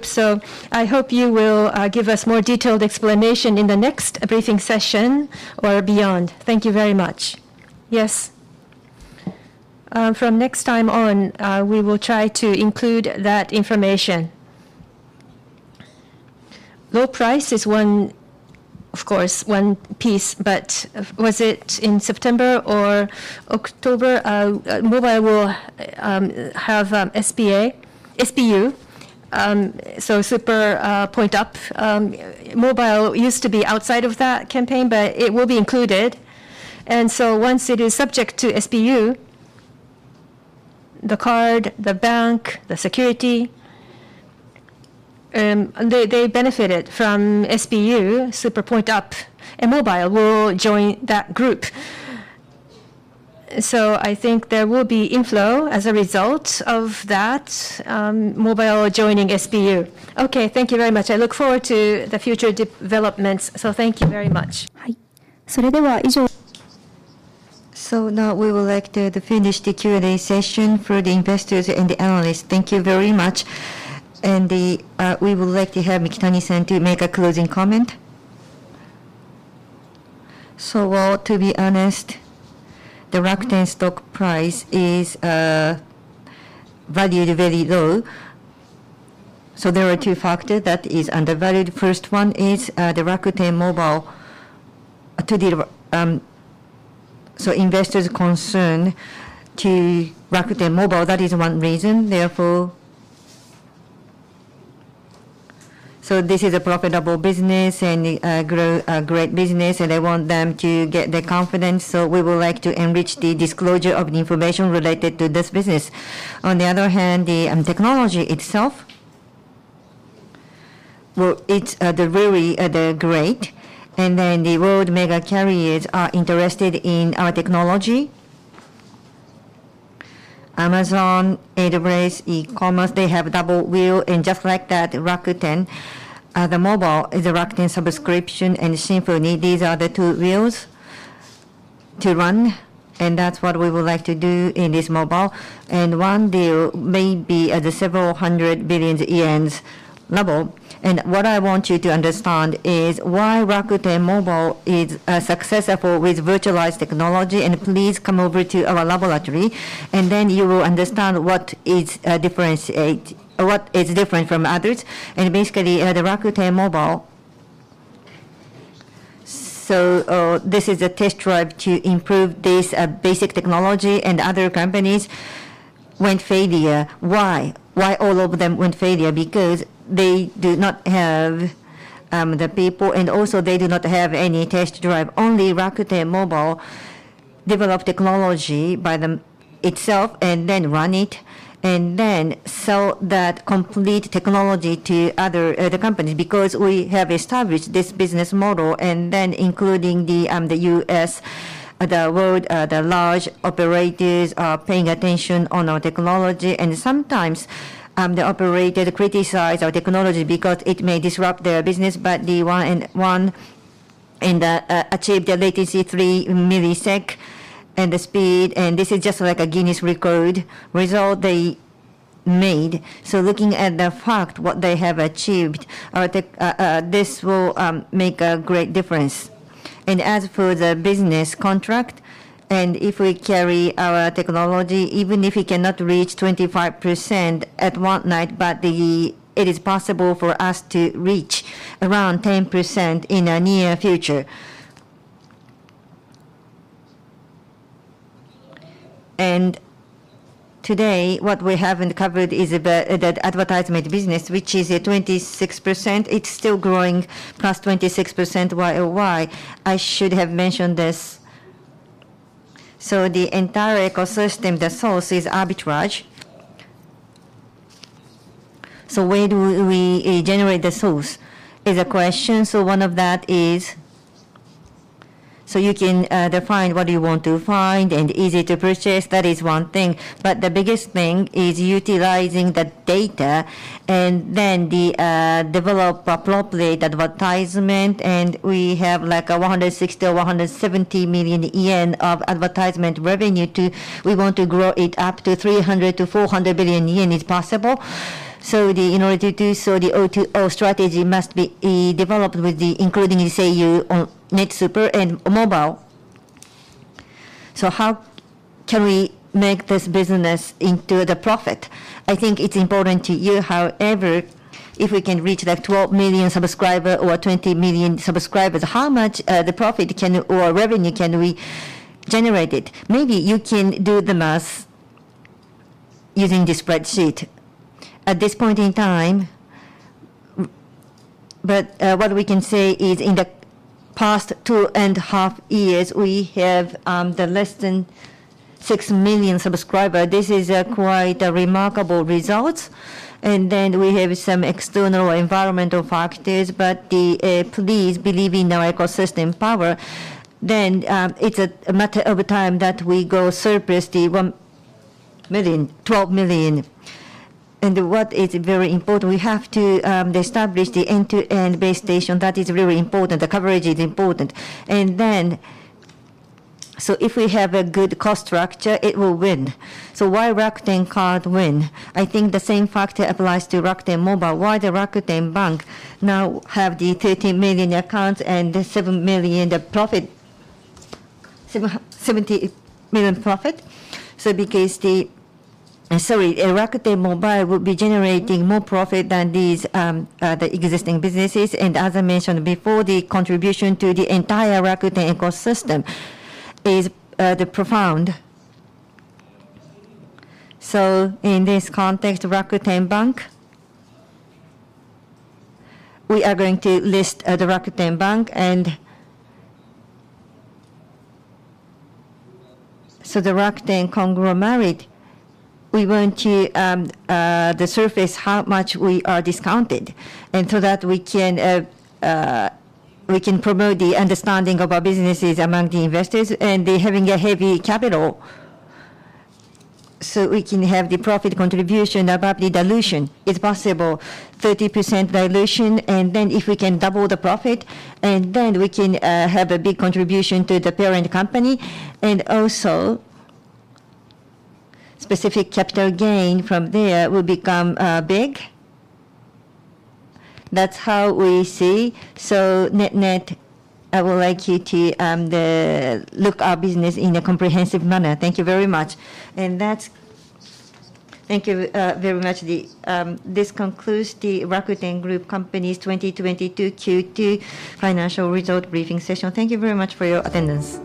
I hope you will give us more detailed explanation in the next briefing session or beyond. Thank you very much. Yes. From next time on, we will try to include that information. Low price is one, of course, one piece, but was it in September or October? Mobile will have SBA, SPU, so Super Point Up. Mobile used to be outside of that campaign, but it will be included. Once it is subject to SPU, the card, the bank, the security, they benefited from SPU, Super Point Up, and mobile will join that group. I think there will be inflow as a result of that, mobile joining SPU. Okay, thank you very much. I look forward to the future developments. Thank you very much. Now we would like to finish the Q&A session for the investors and the analysts. Thank you very much. We would like to have Mikitani-san to make a closing comment. Well, to be honest, the Rakuten stock price is valued very low. There are two factors that is undervalued. First one is the Rakuten Mobile to deliver. Investors concern to Rakuten Mobile, that is one reason. This is a profitable business and a great business, and I want them to get the confidence, so we would like to enrich the disclosure of the information related to this business. On the other hand, the technology itself, it's very great. The world mega carriers are interested in our technology. Amazon, AWS, e-commerce, they have double wheel, and just like that, Rakuten, the mobile is Rakuten subscription and Symphony, these are the two wheels to run, and that's what we would like to do in this mobile. One deal may be at the several hundred billion JPY level. What I want you to understand is why Rakuten Mobile is successful with virtualized technology, and please come over to our laboratory, and then you will understand what is different from others. Basically, the Rakuten Mobile this is a test drive to improve this basic technology, and other companies went failure. Why? Why all of them went failure? Because they do not have the people, and also they do not have any test drive. Only Rakuten Mobile develop technology by them itself and then run it, and then sell that complete technology to other companies, because we have established this business model. Then including the US, the world, the large operators are paying attention on our technology. Sometimes, the operator criticize our technology because it may disrupt their business, but 1&1 in the achieved a latency 3 milliseconds and the speed, and this is just like a Guinness record result they made. Looking at the fact what they have achieved, this will make a great difference. As for the business contract, if we carry our technology, even if we cannot reach 25% overnight, it is possible for us to reach around 10% in a near future. Today, what we haven't covered is the advertisement business, which is at 26%. It's still growing +26% Y-o-Y. I should have mentioned this. The entire ecosystem, the source is arbitrage. Where do we generate the source is a question. One of that is, you can define what you want to find and easy to purchase. That is one thing. The biggest thing is utilizing the data and then develop appropriate advertisement, and we have like 160 million yen or 170 million yen of advertisement revenue. We want to grow it up to 300 billion-400 billion yen is possible. In order to do so, the O2O strategy must be developed with, including ACU, Net Super and Mobile. How can we make this business into the profit? I think it's important to you, however, if we can reach that 12 million subscriber or 20 million subscribers, how much the profit can or revenue can we generated? Maybe you can do the math using the spreadsheet. At this point in time, what we can say is in the past 2.5 years, we have the less than 6 million subscriber. This is quite a remarkable result. We have some external environmental factors, but please believe in our ecosystem power. It's a matter of time that we go surpass the 10 million, 12 million. What is very important, we have to establish the end-to-end base station. That is really important. The coverage is important. If we have a good cost structure, it will win. Why Rakuten Card win? I think the same factor applies to Rakuten Mobile. Why the Rakuten Bank now have the 30 million accounts and the 70 million profit? Because the— Sorry, Rakuten Mobile will be generating more profit than the existing businesses. As I mentioned before, the contribution to the entire Rakuten ecosystem is profound. In this context, Rakuten Bank, we are going to list Rakuten Bank. The Rakuten conglomerate, we want to surface how much we are discounted. Through that we can promote the understanding of our businesses among the investors and then having heavy capital so we can have the profit contribution above the dilution. It's possible, 30% dilution, and then if we can double the profit, we can have a big contribution to the parent company. Specific capital gain from there will become big. That's how we see. Net-net, I would like you to look at our business in a comprehensive manner. Thank you very much. That's. Thank you very much. This concludes the Rakuten Group's 2022 Q2 financial result briefing session. Thank you very much for your attendance.